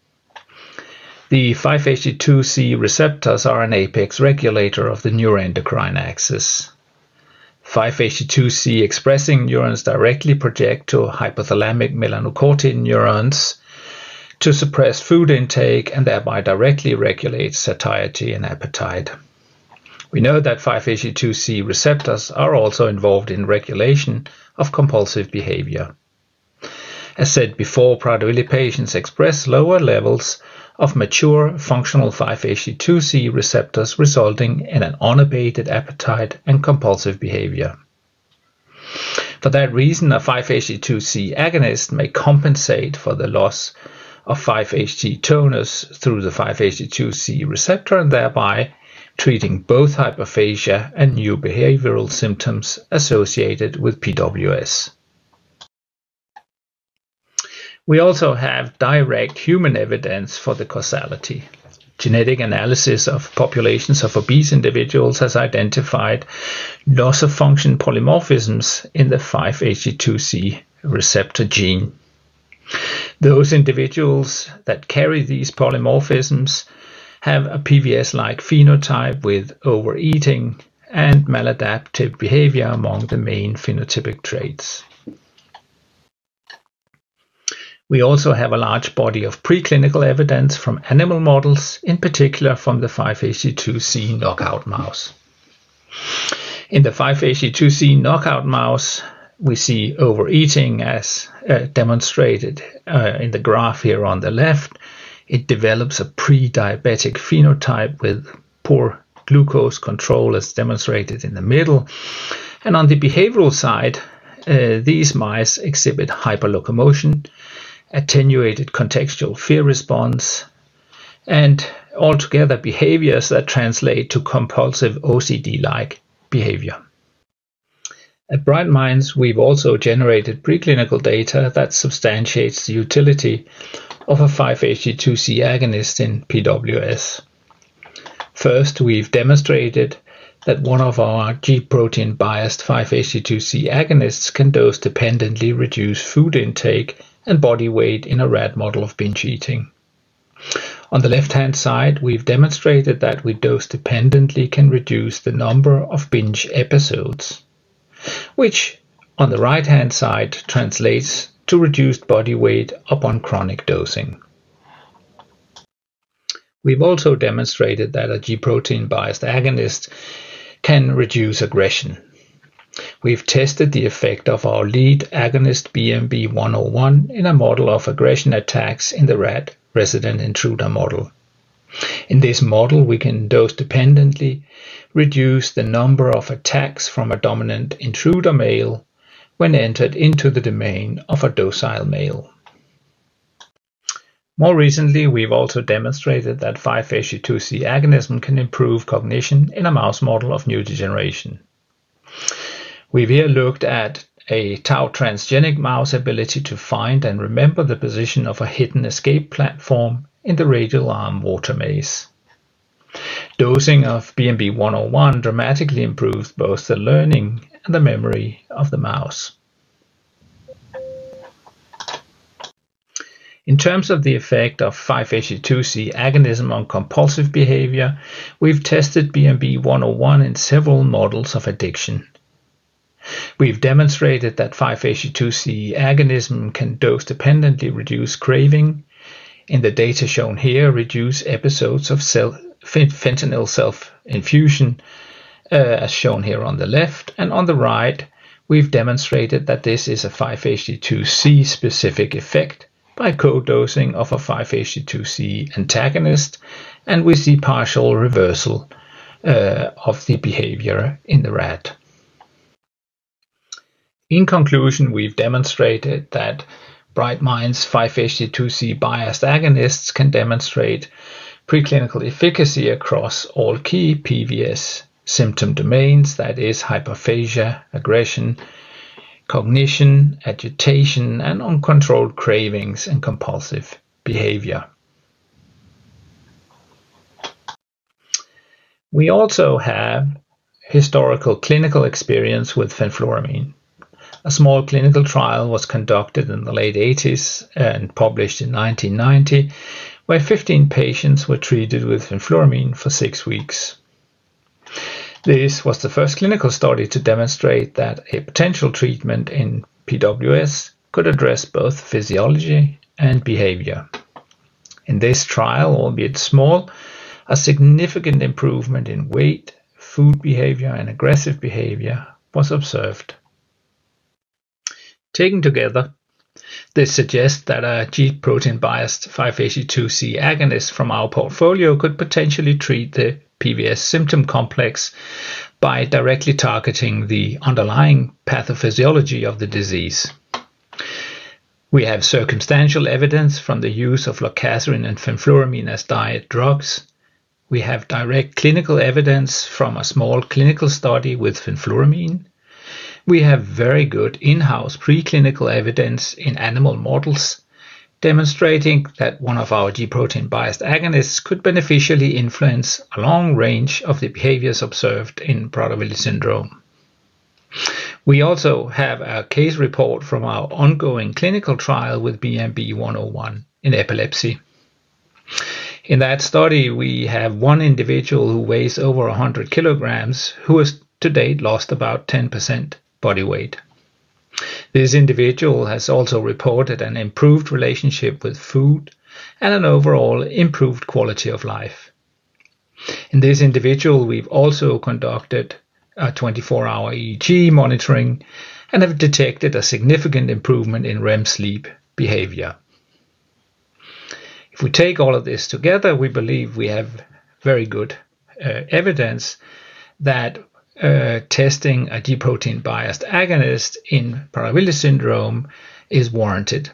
The 5-HT2C receptors are an apex regulator of the neuroendocrine axis. 5-HT2C expressing neurons directly project to hypothalamic melanocortin neurons to suppress food intake and thereby directly regulate satiety and appetite. We know that 5-HT2C receptors are also involved in regulation of compulsive behavior. As said before, Prader-Willi patients express lower levels of mature functional 5-HT2C receptors, resulting in an unabated appetite and compulsive behavior. For that reason, a 5-HT2C agonist may compensate for the loss of 5-HT2C receptor and thereby treating both hyperphagia and new behavioral symptoms associated with PWS. We also have direct human evidence for the causality. Genetic analysis of populations of obese individuals has identified loss of function polymorphisms in the 5-HT2C receptor gene. Those individuals that carry these polymorphisms have a PWS-like phenotype with overeating and maladaptive behavior among the main phenotypic traits. We also have a large body of preclinical evidence from animal models, in particular from the 5-HT2C knockout mouse. In the 5-HT2C knockout mouse, we see overeating as demonstrated in the graph here on the left. It develops a prediabetic phenotype with poor glucose control as demonstrated in the middle. On the behavioral side, these mice exhibit hyperlocomotion, attenuated contextual fear response, and altogether, behaviors that translate to compulsive OCD-like behavior. At Bright Minds, we've also generated preclinical data that substantiates the utility of a 5-HT2C agonist in PWS. First, we've demonstrated that one of our G-protein-biased 5-HT2C agonists can dose-dependently reduce food intake and body weight in a rat model of binge eating. On the left-hand side, we've demonstrated that it dose-dependently can reduce the number of binge episodes, which on the right-hand side translates to reduced body weight upon chronic dosing. We've also demonstrated that a G-protein-biased agonist can reduce aggression. We've tested the effect of our lead agonist BMB-101 in a model of aggression attacks in the rat resident intruder model. In this model, we can dose-dependently reduce the number of attacks from a dominant intruder male when entered into the domain of a docile male. More recently, we've also demonstrated that 5-HT2C agonism can improve cognition in a mouse model of new generation. We've here looked at a tau transgenic mouse ability to find and remember the position of a hidden escape platform in the radial arm water maze. Dosing of BMB-101 dramatically improves both the learning and the memory of the mouse. In terms of the effect of 5-HT2C agonism on compulsive behavior, we've tested BMB-101 in several models of addiction. We've demonstrated that 5-HT2C agonism can dose-dependently reduce craving. In the data shown here, reduce episodes of fentanyl self-infusion. As shown here on the left. On the right, we've demonstrated that this is a 5-HT2C-specific effect by co-dosing of a 5-HT2C antagonist, and we see partial reversal of the behavior in the rat. In conclusion, we've demonstrated that Bright Minds 5-HT2C biased agonists can demonstrate preclinical efficacy across all key PWS symptom domains, that is, hyperphagia, aggression, cognition, agitation, and uncontrolled cravings and compulsive behavior. We also have historical clinical experience with fenfluramine. A small clinical trial was conducted in the late 1980s and published in 1990, where 15 patients were treated with fenfluramine for six weeks. This was the first clinical study to demonstrate that a potential treatment in PWS could address both physiology and behavior. In this trial, albeit small, a significant improvement in weight, food behavior, and aggressive behavior was observed. Taken together, this suggests that a G-protein-biased 5-HT2C agonist from our portfolio could potentially treat the PWS symptom complex. By directly targeting the underlying pathophysiology of the disease. We have circumstantial evidence from the use of lorcaserin and fenfluramine as diet drugs. We have direct clinical evidence from a small clinical study with fenfluramine. We have very good in-house preclinical evidence in animal models demonstrating that one of our G-protein-biased agonists could beneficially influence a long range of the behaviors observed in Prader-Willi Syndrome. We also have a case report from our ongoing clinical trial with BMB-101 in Epilepsy. In that study, we have one individual who weighs over 100 kg, who has to date lost about 10% body weight. This individual has also reported an improved relationship with food and an overall improved quality of life. In this individual, we've also conducted a 24-hour EEG monitoring and have detected a significant improvement in REM sleep behavior. If we take all of this together, we believe we have very good evidence that testing a G-protein-biased agonist in Prader-Willi Syndrome is warranted.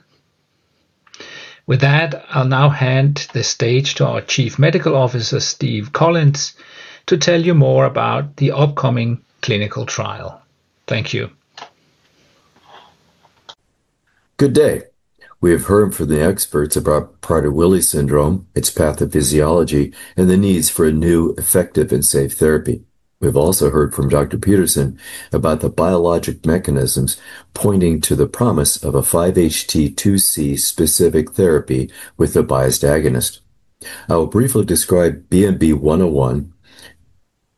With that, I'll now hand the stage to our Chief Medical Officer, Stephen Collins, to tell you more about the upcoming clinical trial. Thank you. Good day. We have heard from the experts about Prader-Willi syndrome, its pathophysiology, and the needs for a new, effective, and safe therapy. We've also heard from Dr. Pedersen about the biologic mechanisms pointing to the promise of a 5-HT2C-specific therapy with a biased agonist. I will briefly describe BMB-101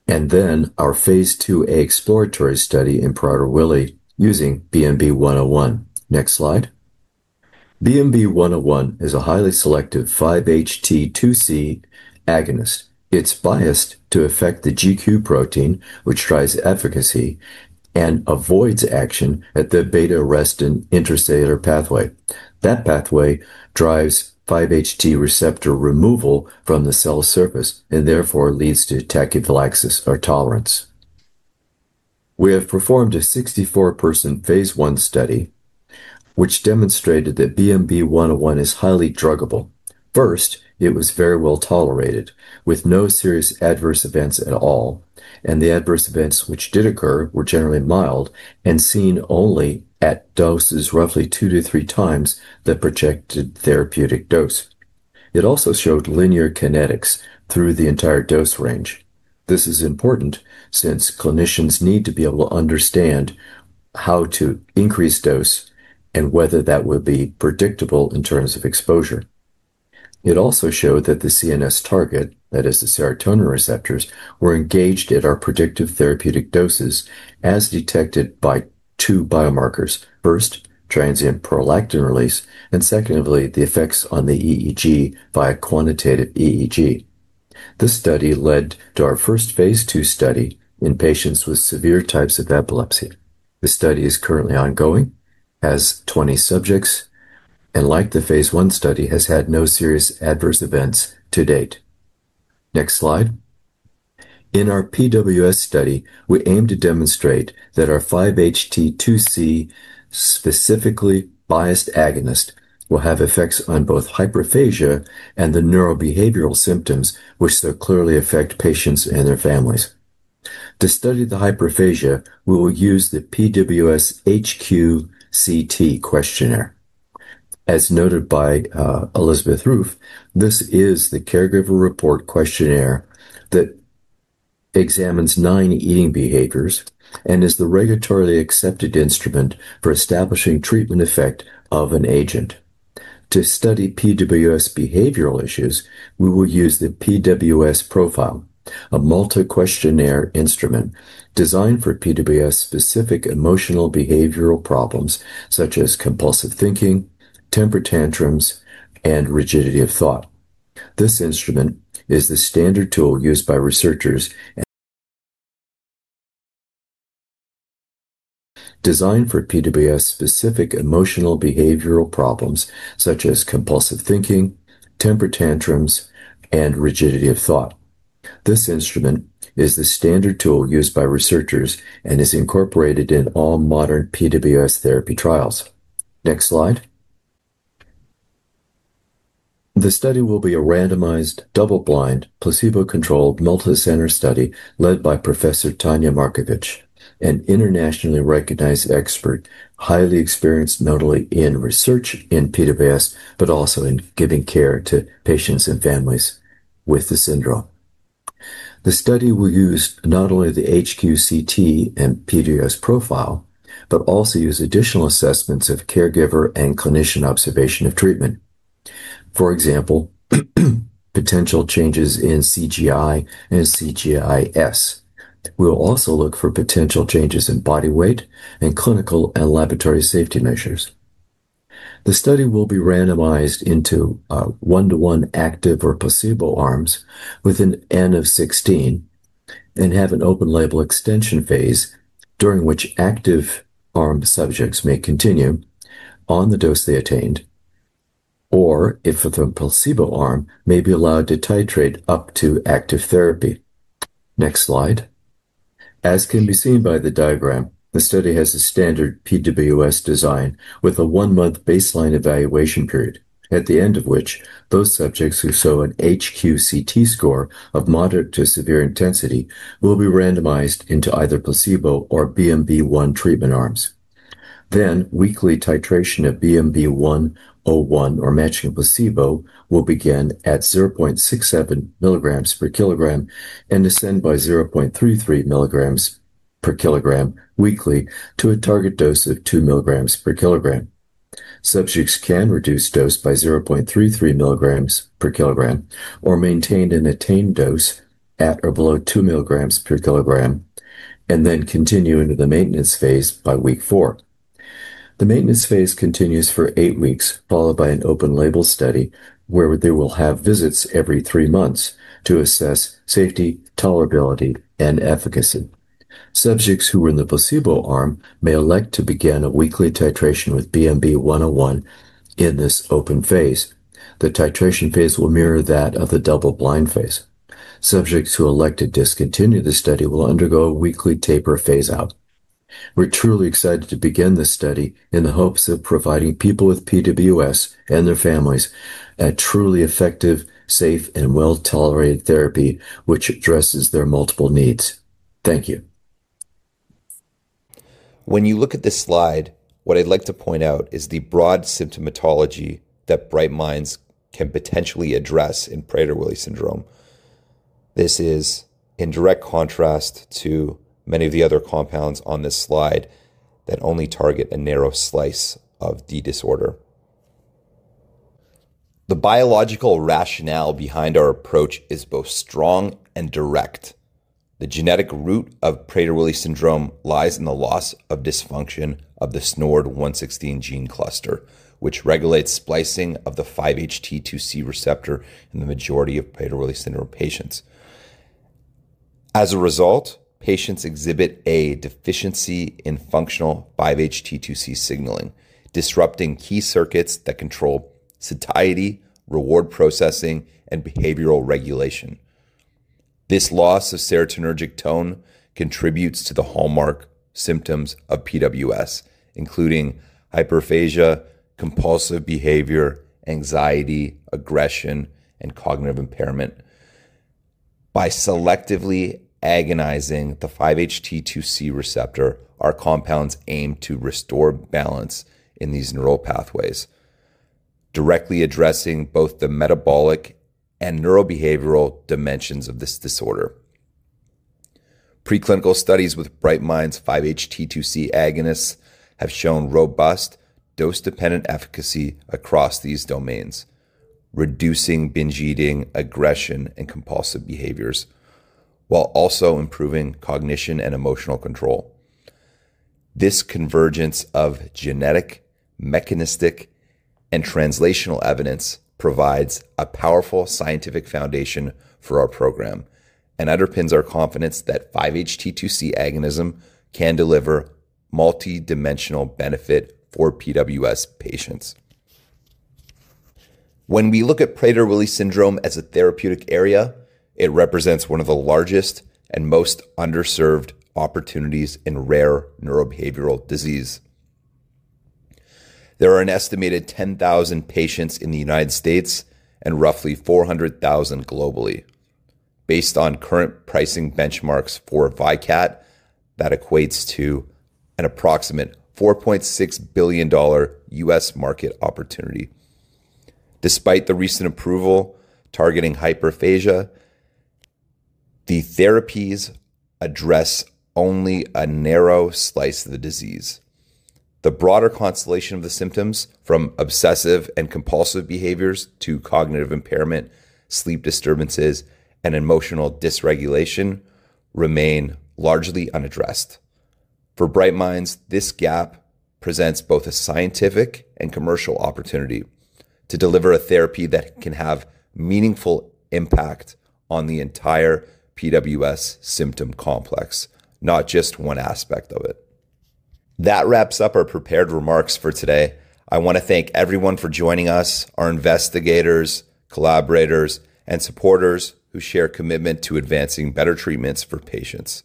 and then our Phase 2a exploratory study in Prader-Willi using BMB-101. Next slide. BMB-101 is a highly selective 5-HT2C agonist. It's biased to affect the GQ protein, which drives efficacy and avoids action at the beta-arrestin interstitial pathway. That pathway drives 5-HT receptor removal from the cell surface and therefore leads to tachyphylaxis or tolerance. We have performed a 64-person Phase 1 Study, which demonstrated that BMB-101 is highly druggable. First, it was very well tolerated with no serious adverse events at all, and the adverse events which did occur were generally mild and seen only at doses roughly 2x-3x the projected therapeutic dose. It also showed linear kinetics through the entire dose range. This is important since clinicians need to be able to understand how to increase dose and whether that will be predictable in terms of exposure. It also showed that the CNS target, that is, the serotonin receptors, were engaged at our predictive therapeutic doses as detected by two biomarkers. First, transient prolactin release, and secondly, the effects on the EEG via quantitative EEG. This study led to our first Phase 2 study in patients with severe types of Epilepsy. The study is currently ongoing, has 20 subjects, and like the Phase 1 study, has had no serious adverse events to date. Next slide. In our PWS study, we aim to demonstrate that our 5-HT2C specifically biased agonist will have effects on both hyperphagia and the neurobehavioral symptoms, which so clearly affect patients and their families. To study the hyperphagia, we will use the PWS HQCT questionnaire. As noted by Elizabeth Roof, this is the caregiver report questionnaire that examines nine eating behaviors and is the regulatorily accepted instrument for establishing treatment effect of an agent. To study PWS behavioral issues, we will use the PWS Profile, a multi-questionnaire instrument designed for PWS-specific emotional behavioral problems such as compulsive thinking, temper tantrums, and rigidity of thought. This instrument is the standard tool used by researchers. Designed for PWS-specific emotional behavioral problems such as compulsive thinking, temper tantrums, and rigidity of thought. This instrument is the standard tool used by researchers and is incorporated in all modern PWS therapy trials. Next slide. The study will be a randomized double-blind placebo-controlled multicenter study led by Professor Tanja Marković, an internationally recognized expert, highly experienced not only in research in PWS but also in giving care to patients and families with the syndrome. The study will use not only the HQCT and PWS Profile, but also use additional assessments of caregiver and clinician observation of treatment. For example. Potential changes in CGI and CGIS. We'll also look for potential changes in body weight and clinical and laboratory safety measures. The study will be randomized into one-to-one active or placebo arms with an N of 16. There is an Open-Label Extension Phase during which active arm subjects may continue on the dose they attained. If the placebo arm, they may be allowed to titrate up to active therapy. Next slide. As can be seen by the diagram, the study has a standard PWS design with a one-month baseline evaluation period, at the end of which those subjects who show an HQCT score of moderate to severe intensity will be randomized into either placebo or BMB-101 treatment arms. Weekly titration of BMB-101 or matching placebo will begin at 0.67 mg per kg and ascend by 0.33 mg per kg weekly to a target dose of 2 mg per kg. Subjects can reduce dose by 0.33 mg per kg or maintain an attained dose at or below 2 mg per kg and then continue into the maintenance phase by week four. The maintenance phase continues for eight weeks, followed by an Open-Label Study where they will have visits every three months to assess safety, tolerability, and efficacy. Subjects who were in the placebo arm may elect to begin a weekly titration with BMB-101 in this Open Phase. The titration phase will mirror that of the double-blind phase. Subjects who elect to discontinue the study will undergo a weekly taper phase out. We're truly excited to begin this study in the hopes of providing people with PWS and their families a truly effective, safe, and well-tolerated therapy which addresses their multiple needs. Thank you. When you look at this slide, what I'd like to point out is the broad symptomatology that Bright Minds can potentially address in Prader-Willi Syndrome. This is in direct contrast to many of the other compounds on this slide that only target a narrow slice of the disorder. The biological rationale behind our approach is both strong and direct. The genetic root of Prader-Willi syndrome lies in the loss or dysfunction of the SNORD116 gene cluster, which regulates splicing of the 5-HT2C receptor in the majority of Prader-Willi syndrome patients. As a result, patients exhibit a deficiency in functional 5-HT2C signaling, disrupting key circuits that control satiety, reward processing, and behavioral regulation. This loss of serotonergic tone contributes to the hallmark symptoms of PWS, including hyperphagia, compulsive behavior, anxiety, aggression, and cognitive impairment. By selectively agonizing the 5-HT2C receptor, our compounds aim to restore balance in these neural pathways, directly addressing both the metabolic and neurobehavioral dimensions of this disorder. Preclinical studies with Bright Minds 5-HT2C agonists have shown robust dose-dependent efficacy across these domains, reducing binge eating, aggression, and compulsive behaviors, while also improving cognition and emotional control. This convergence of genetic, mechanistic, and translational evidence provides a powerful scientific foundation for our program and underpins our confidence that 5-HT2C agonism can deliver multidimensional benefit for PWS patients. When we look at Prader-Willi Syndrome as a therapeutic area, it represents one of the largest and most underserved opportunities in rare neurobehavioral disease. There are an estimated 10,000 patients in the U.S. and roughly 400,000 globally. Based on current pricing benchmarks for VYKAT, that equates to an approximate $4.6 billion U.S. market opportunity. Despite the recent approval targeting hyperphagia, the therapies address only a narrow slice of the disease. The broader constellation of the symptoms, from obsessive and compulsive behaviors to cognitive impairment, sleep disturbances, and emotional dysregulation, remain largely unaddressed. For Bright Minds, this gap presents both a scientific and commercial opportunity to deliver a therapy that can have meaningful impact on the entire PWS symptom complex, not just one aspect of it. That wraps up our prepared remarks for today. I want to thank everyone for joining us, our investigators, collaborators, and supporters who share a commitment to advancing better treatments for patients.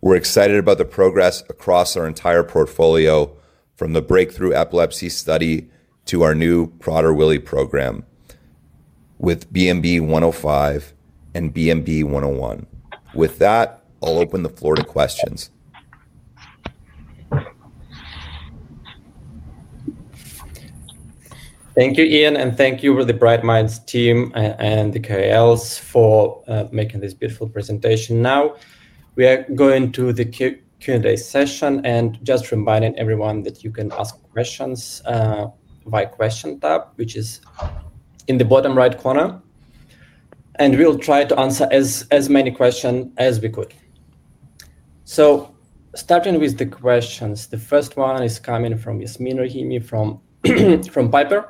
We're excited about the progress across our entire portfolio, from the Breakthrough Epilepsy Study to our new Prader-Willi program, with BMB-105 and BMB-101. With that, I'll open the floor to questions. Thank you, Ian, and thank you to the Bright Minds team and the KOLs for making this beautiful presentation. Now, we are going to the Q&A session and just reminding everyone that you can ask questions by question tab, which is in the bottom right corner. We'll try to answer as many questions as we could. Starting with the questions, the first one is coming from Yasmeen Rahimi from Piper.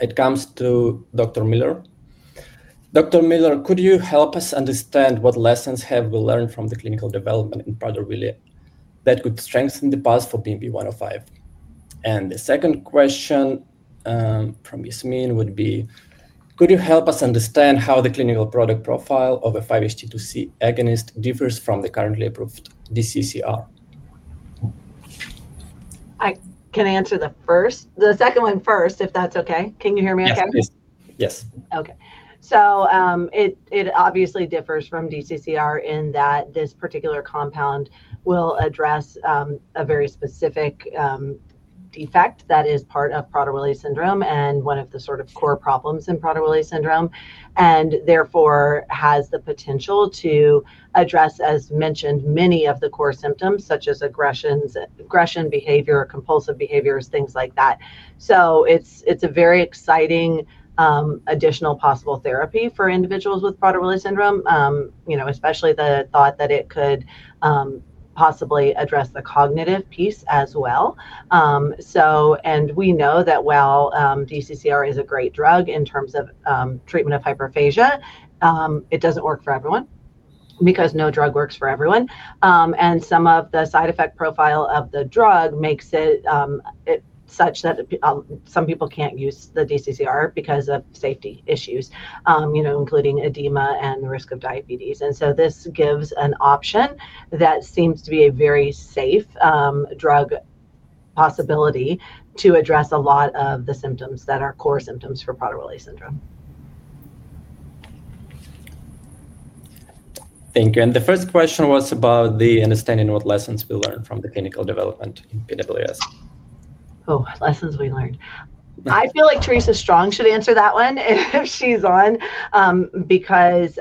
It comes to Dr. Miller. Dr. Miller, could you help us understand what lessons have we learned from the clinical development in Prader-Willi that could strengthen the path for BMB-105? The second question from Yasmeen would be, could you help us understand how the clinical product profile of a 5-HT2C agonist differs from the currently approved DCCR? I can answer the second one first, if that's okay. Can you hear me okay? Yes. Yes. Okay. It obviously differs from DCCR in that this particular compound will address a very specific. Defect that is part of Prader-Willi Syndrome and one of the sort of core problems in Prader-Willi Syndrome, and therefore has the potential to address, as mentioned, many of the core symptoms, such as aggression, behavior, compulsive behaviors, things like that. It is a very exciting additional possible therapy for individuals with Prader-Willi Syndrome, especially the thought that it could possibly address the cognitive piece as well. We know that while DCCR is a great drug in terms of treatment of hyperphagia, it does not work for everyone because no drug works for everyone. Some of the side effect profile of the drug makes it such that some people cannot use the DCCR because of safety issues, including edema and the risk of diabetes. This gives an option that seems to be a very safe drug. Possibility to address a lot of the symptoms that are core symptoms for Prader-Willi Syndrome. Thank you. The first question was about the understanding of what lessons we learned from the clinical development in PWS. Oh, lessons we learned. I feel like Theresa Strong should answer that one if she's on because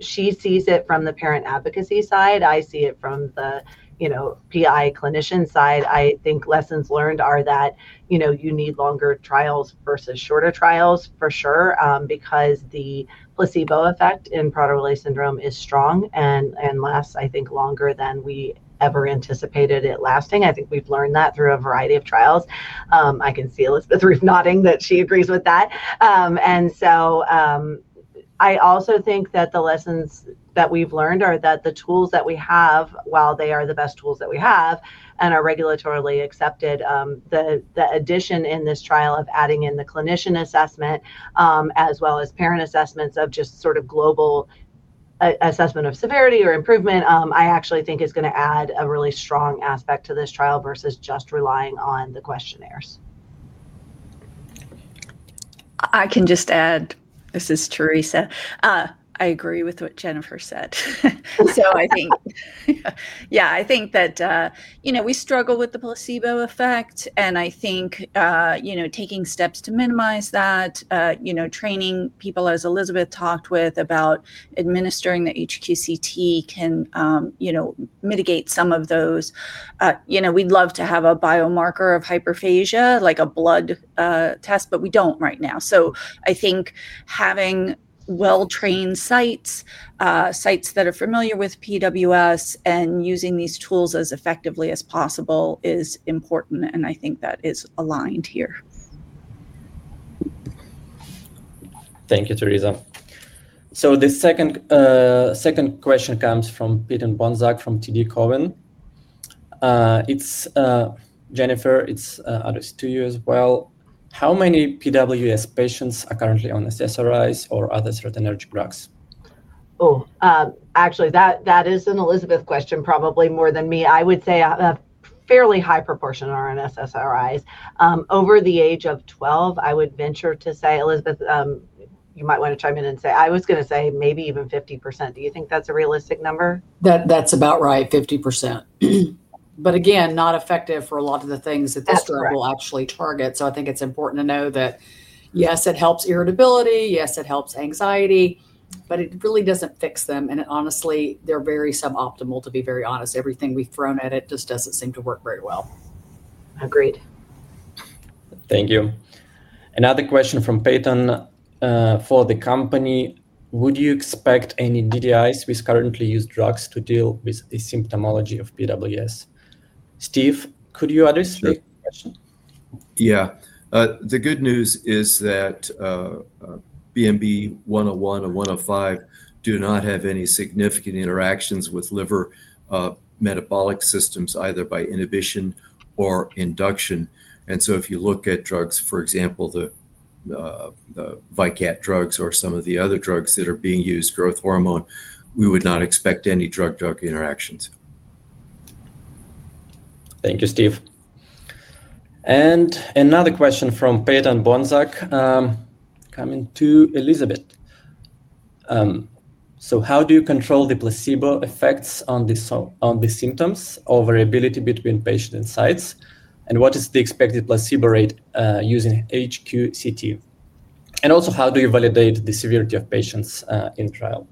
she sees it from the parent advocacy side. I see it from the PI clinician side. I think lessons learned are that you need longer trials versus shorter trials, for sure, because the placebo effect in Prader-Willi Syndrome is strong and lasts, I think, longer than we ever anticipated it lasting. I think we've learned that through a variety of trials. I can see Elizabeth nodding that she agrees with that. I also think that the lessons that we've learned are that the tools that we have, while they are the best tools that we have and are regulatorily accepted. The addition in this trial of adding in the clinician assessment as well as parent assessments of just sort of global assessment of severity or improvement, I actually think is going to add a really strong aspect to this trial versus just relying on the questionnaires. I can just add, this is Theresa. I agree with what Jennifer said. I think that we struggle with the placebo effect, and I think taking steps to minimize that. Training people, as Elizabeth talked with, about administering the HQCT can mitigate some of those. We'd love to have a biomarker of hyperphagia, like a blood test, but we don't right now. I think having well-trained sites, sites that are familiar with PWS, and using these tools as effectively as possible is important, and I think that is aligned here. Thank you, Theresa. The second question comes from Peyton Bohnsack from TD Cowen. It is Jennifer, it is obviously to you as well. How many PWS patients are currently on SSRIs or other serotonergic drugs? Oh, actually, that is an Elizabeth question, probably more than me. I would say a fairly high proportion are on SSRIs. Over the age of 12, I would venture to say, Elizabeth. You might want to chime in and say, I was going to say maybe even 50%. Do you think that is a realistic number? That is about right, 50%. Again, not effective for a lot of the things that this drug will actually target. I think it's important to know that, yes, it helps irritability, yes, it helps anxiety, but it really doesn't fix them. And honestly, they're very suboptimal, to be very honest. Everything we've thrown at it just doesn't seem to work very well. Agreed. Thank you. Another question from Peyton. For the company, would you expect any DDIs with currently used drugs to deal with the symptomology of PWS? Steph, could you address the question? Yeah. The good news is that BMB-101 or BMB-105 do not have any significant interactions with liver metabolic systems, either by inhibition or induction. If you look at drugs, for example, the VYKAT drugs or some of the other drugs that are being used, growth hormone, we would not expect any drug-drug interactions. Thank you, Steph. Another question from Peyton Bohnsack. Coming to Elizabeth. How do you control the placebo effects on the symptoms or variability between patient and sites? What is the expected placebo rate using HQCT? Also, how do you validate the severity of patients in trial?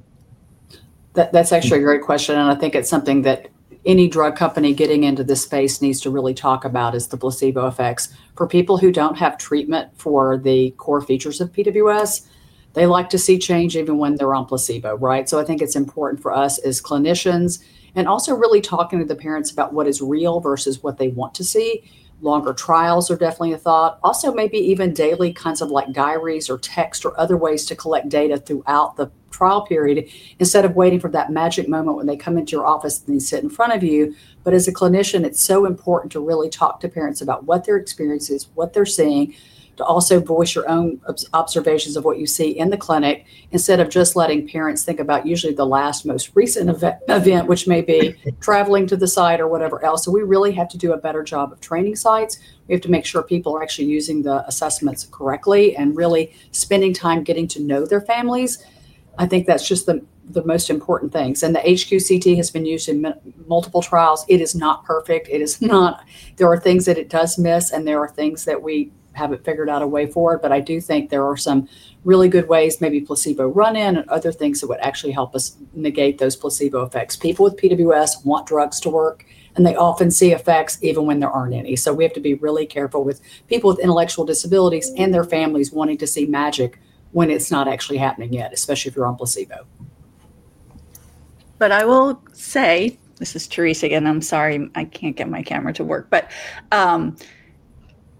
That's actually a great question, and I think it's something that any drug company getting into this space needs to really talk about is the placebo effects. For people who don't have treatment for the core features of PWS, they like to see change even when they're on placebo, right? I think it's important for us as clinicians and also really talking to the parents about what is real versus what they want to see. Longer trials are definitely a thought. Also, maybe even daily kinds of diaries or texts or other ways to collect data throughout the trial period instead of waiting for that magic moment when they come into your office and they sit in front of you. As a clinician, it's so important to really talk to parents about what their experience is, what they're seeing, to also voice your own observations of what you see in the clinic instead of just letting parents think about usually the last most recent event, which may be traveling to the site or whatever else. We really have to do a better job of training sites. We have to make sure people are actually using the assessments correctly and really spending time getting to know their families. I think that's just the most important things. The HQCT has been used in multiple trials. It is not perfect. There are things that it does miss, and there are things that we haven't figured out a way for. I do think there are some really good ways, maybe placebo run-in and other things that would actually help us negate those placebo effects. People with PWS want drugs to work, and they often see effects even when there aren't any. We have to be really careful with people with intellectual disabilities and their families wanting to see magic when it's not actually happening yet, especially if you're on placebo. I will say, this is Theresa again. I'm sorry, I can't get my camera to work, but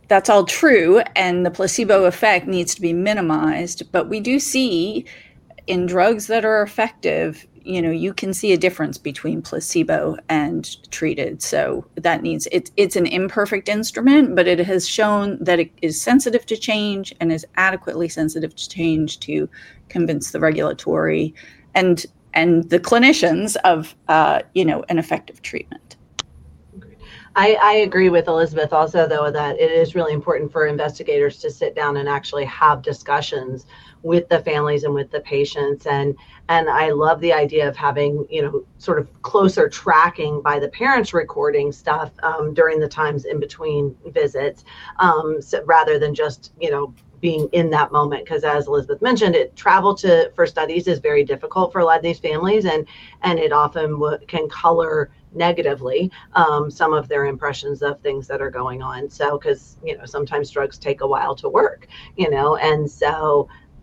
that's all true, and the placebo effect needs to be minimized. We do see, in drugs that are effective, you can see a difference between placebo and treated. It's an imperfect instrument, but it has shown that it is sensitive to change and is adequately sensitive to change to convince the regulatory and the clinicians of an effective treatment. I agree with Elizabeth also, though, that it is really important for investigators to sit down and actually have discussions with the families and with the patients. I love the idea of having sort of closer tracking by the parents recording stuff during the times in between visits, rather than just being in that moment. Because, as Elizabeth mentioned, travel for studies is very difficult for a lot of these families, and it often can color negatively some of their impressions of things that are going on, because sometimes drugs take a while to work.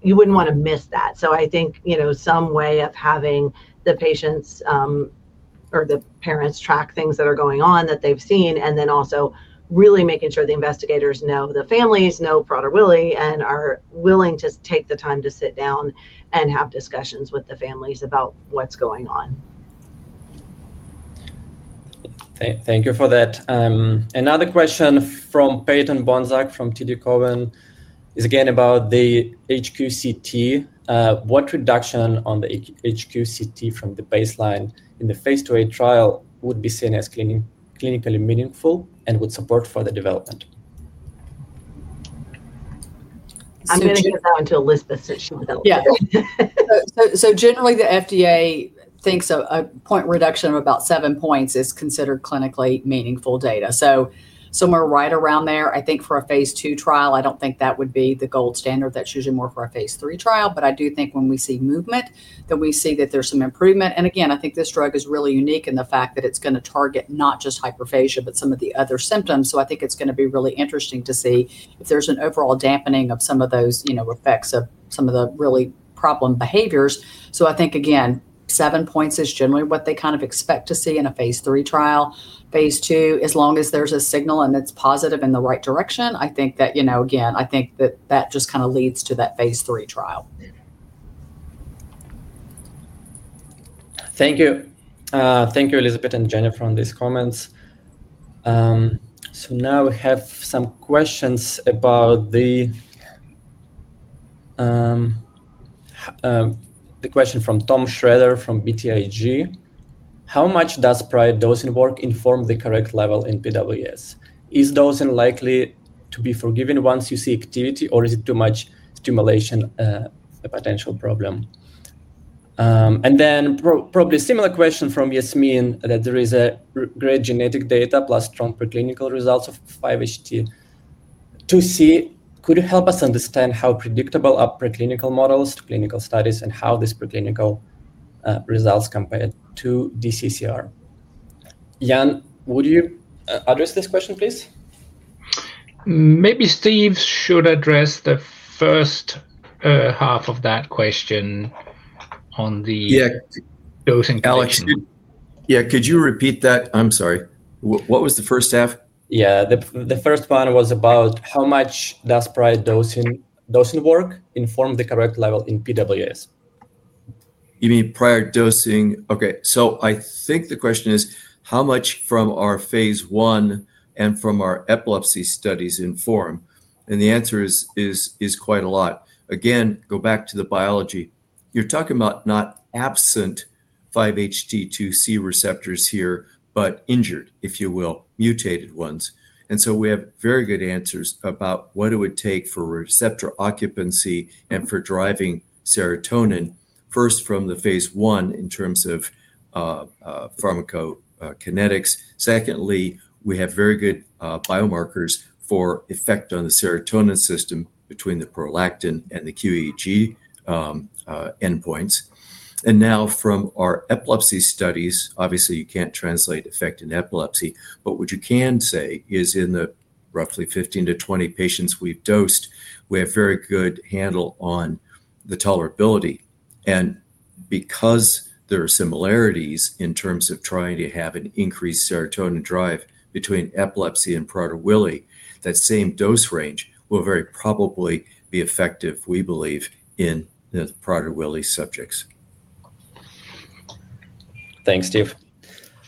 You would not want to miss that. I think some way of having the patients. Or the parents track things that are going on that they've seen, and then also really making sure the investigators know the families, know Prader-Willi, and are willing to take the time to sit down and have discussions with the families about what's going on. Thank you for that. Another question from Peyton Bohnsack from TD Cowen is again about the HQCT. What reduction on the HQCT from the baseline in the Phase 2a Trial would be seen as clinically meaningful and would support further development? I'm going to give that one to Elizabeth since she was elsewhere. Generally, the FDA thinks a point reduction of about seven points is considered clinically meaningful data. Somewhere right around there, I think for a Phase 2 Trial, I don't think that would be the gold standard. That's usually more for a Phase 3 Trial. I do think when we see movement, then we see that there's some improvement. I think this drug is really unique in the fact that it's going to target not just hyperphagia, but some of the other symptoms. I think it's going to be really interesting to see if there's an overall dampening of some of those effects of some of the really problem behaviors. I think, again, seven points is generally what they kind of expect to see in a phase three trial. Phase 2, as long as there's a signal and it's positive in the right direction, I think that just kind of leads to that Phase 3 Trial. Thank you. Thank you, Elizabeth and Jennifer, on these comments. Now we have some questions about the. Question from Tom Schrader from BTIG. How much does prior dosing work inform the correct level in PWS? Is dosing likely to be forgiven once you see activity, or is it too much stimulation? A potential problem? A similar question from Yasmeen that there is great genetic data plus strong preclinical results of 5-HT2C. Could you help us understand how predictable are preclinical models to clinical studies and how these preclinical results compare to DCCR? Jan, would you address this question, please? Maybe Steph should address the first half of that question. On the dosing question. Yeah, could you repeat that? I'm sorry. What was the first half? Yeah, the first one was about how much does prior dosing work inform the correct level in PWS? You mean prior dosing? Okay. So I think the question is, how much from our Phase 1 and from our Epilepsy studies inform? The answer is quite a lot. Again, go back to the biology. You're talking about not absent 5-HT2C receptors here, but injured, if you will, mutated ones. We have very good answers about what it would take for receptor occupancy and for driving serotonin, first from the Phase 1 in terms of pharmacokinetics. Secondly, we have very good biomarkers for effect on the serotonin system between the prolactin and the QEG endpoints. Now from our epilepsy studies, obviously, you can't translate effect in epilepsy, but what you can say is in the roughly 15-20 patients we've dosed, we have a very good handle on the tolerability. Because there are similarities in terms of trying to have an increased serotonin drive between epilepsy and Prader-Willi, that same dose range will very probably be effective, we believe, in the Prader-Willi subjects. Thanks, Steph.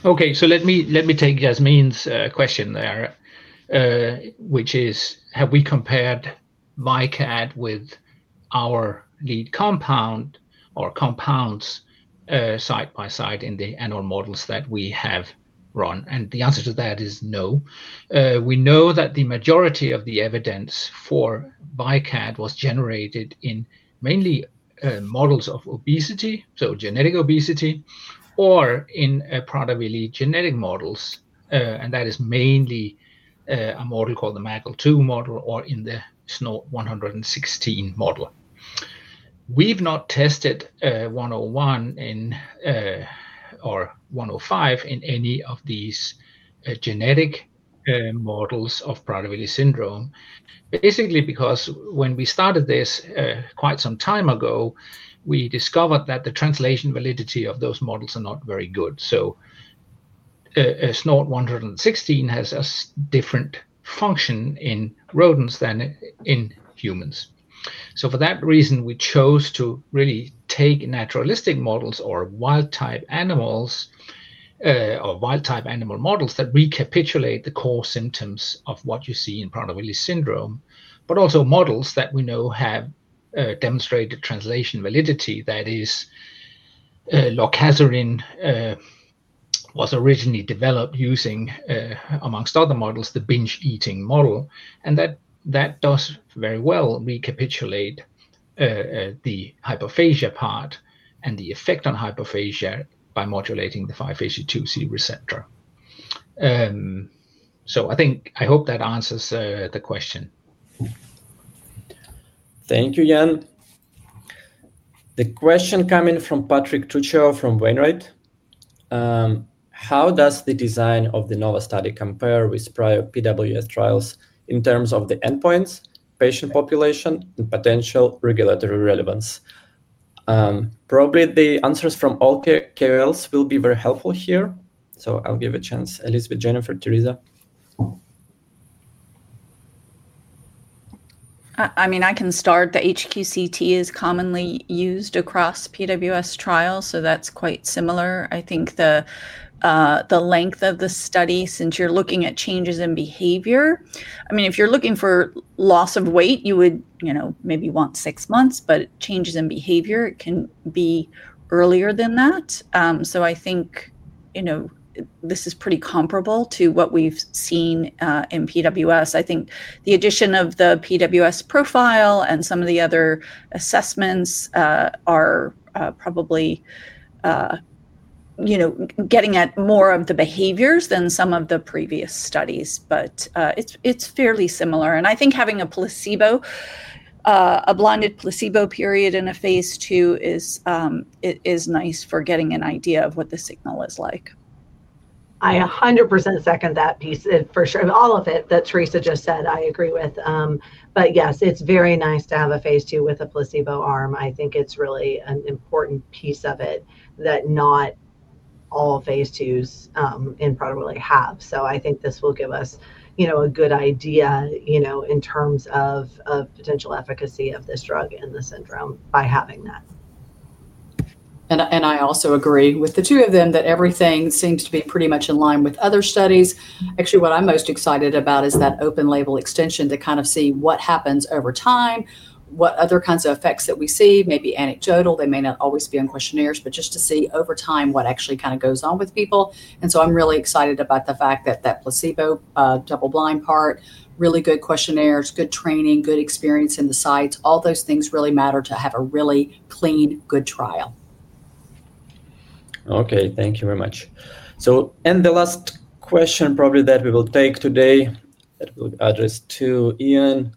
Okay, so let me take Yasmeen's question there. Which is, have we compared VYKAT with our lead compound or compounds. Side by side in the animal models that we have run? The answer to that is no. We know that the majority of the evidence for VYKAT was generated in mainly models of obesity, so genetic obesity, or in Prader-Willi genetic models. That is mainly a model called the MAGE-L2 model or in the SNORD116 model. We've not tested 101 or 105 in any of these genetic models of Prader-Willi Syndrome. Basically, because when we started this quite some time ago, we discovered that the translation validity of those models is not very good. SNORD116 has a different function in rodents than in humans. For that reason, we chose to really take naturalistic models or wild-type animals. Or wild-type animal models that recapitulate the core symptoms of what you see in Prader-Willi Syndrome, but also models that we know have demonstrated translation validity. That is, lorcaserin was originally developed using, amongst other models, the binge eating model. That does very well recapitulate the hyperphagia part and the effect on hyperphagia by modulating the 5-HT2C receptor. I hope that answers the question. Thank you, Jan. The question coming from Patrick Trucchio from Wainwright. How does the design of the NOVA Study compare with prior PWS trials in terms of the endpoints, patient population, and potential regulatory relevance? Probably the answers from all KOLs will be very helpful here. I'll give a chance. Elizabeth, Jennifer, Theresa. I mean, I can start. The HQCT is commonly used across PWS trials, so that's quite similar. I think the. Length of the study, since you're looking at changes in behavior, I mean, if you're looking for loss of weight, you would maybe want six months, but changes in behavior can be earlier than that. I think this is pretty comparable to what we've seen in PWS. I think the addition of the PWS Profile and some of the other assessments are probably getting at more of the behaviors than some of the previous studies, but it's fairly similar. I think having a blinded placebo period in a Phase 2 is nice for getting an idea of what the signal is like. I 100% second that piece for sure. All of it that Theresa just said, I agree with. Yes, it's very nice to have a Phase 2 with a placebo arm. I think it's really an important piece of it that not. All Phase 2s in Prader-Willi have. I think this will give us a good idea in terms of potential efficacy of this drug and the syndrome by having that. I also agree with the two of them that everything seems to be pretty much in line with other studies. Actually, what I'm most excited about is that Open-Label Extension to kind of see what happens over time, what other kinds of effects that we see, maybe anecdotal. They may not always be on questionnaires, but just to see over time what actually kind of goes on with people. I'm really excited about the fact that that placebo double-blind part, really good questionnaires, good training, good experience in the sites, all those things really matter to have a really clean, good trial. Okay, thank you very much. And the last question probably that we will take today that we'll address to Ian.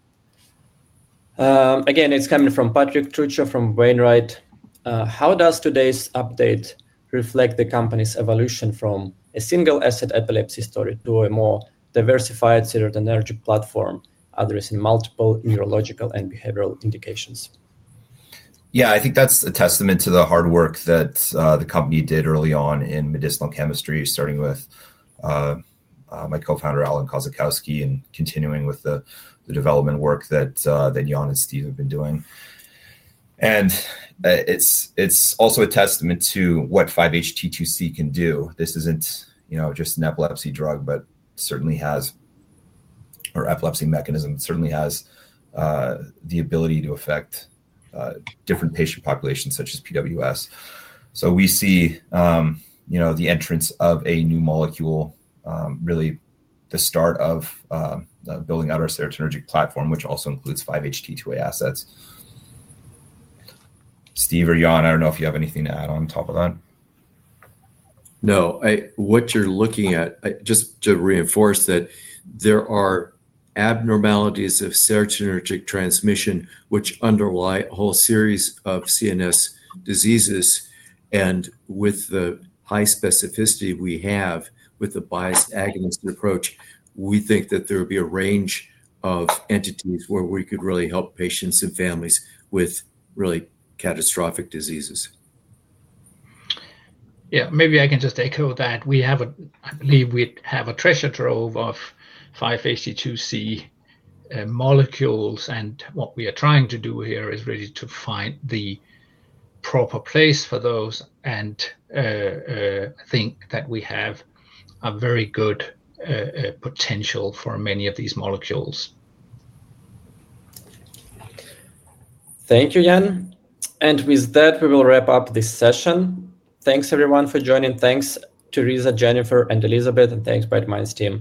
Again, it's coming from Patrick Trucchio from Wainwright. How does today's update reflect the company's evolution from a single-asset Epilepsy story to a more diversified serotonergic platform addressing multiple neurological and behavioral indications? Yeah, I think that's a testament to the hard work that the company did early on in medicinal chemistry, starting with my Co-Founder, Alan Kozikowski, and continuing with the development work that Jan and Steph have been doing. It's also a testament to what 5-HT2C can do. This isn't just an Epilepsy drug, but certainly has, or Epilepsy mechanism, certainly has the ability to affect different patient populations such as PWS. We see the entrance of a new molecule, really the start of building out our serotonergic platform, which also includes 5-HT2C assets. Steph or Jan, I don't know if you have anything to add on top of that. No, what you're looking at, just to reinforce that there are abnormalities of serotonergic transmission, which underlie a whole series of CNS diseases. With the high specificity we have with the bias agonist approach, we think that there would be a range of entities where we could really help patients and families with really catastrophic diseases. Yeah, maybe I can just echo that. I believe we have a treasure trove of 5-HT2C molecules, and what we are trying to do here is really to find the proper place for those. I think that we have a very good potential for many of these molecules. Thank you, Jan. With that, we will wrap up this session. Thanks, everyone, for joining. Thanks, Theresa, Jennifer, and Elizabeth, and thanks, Bright Minds team.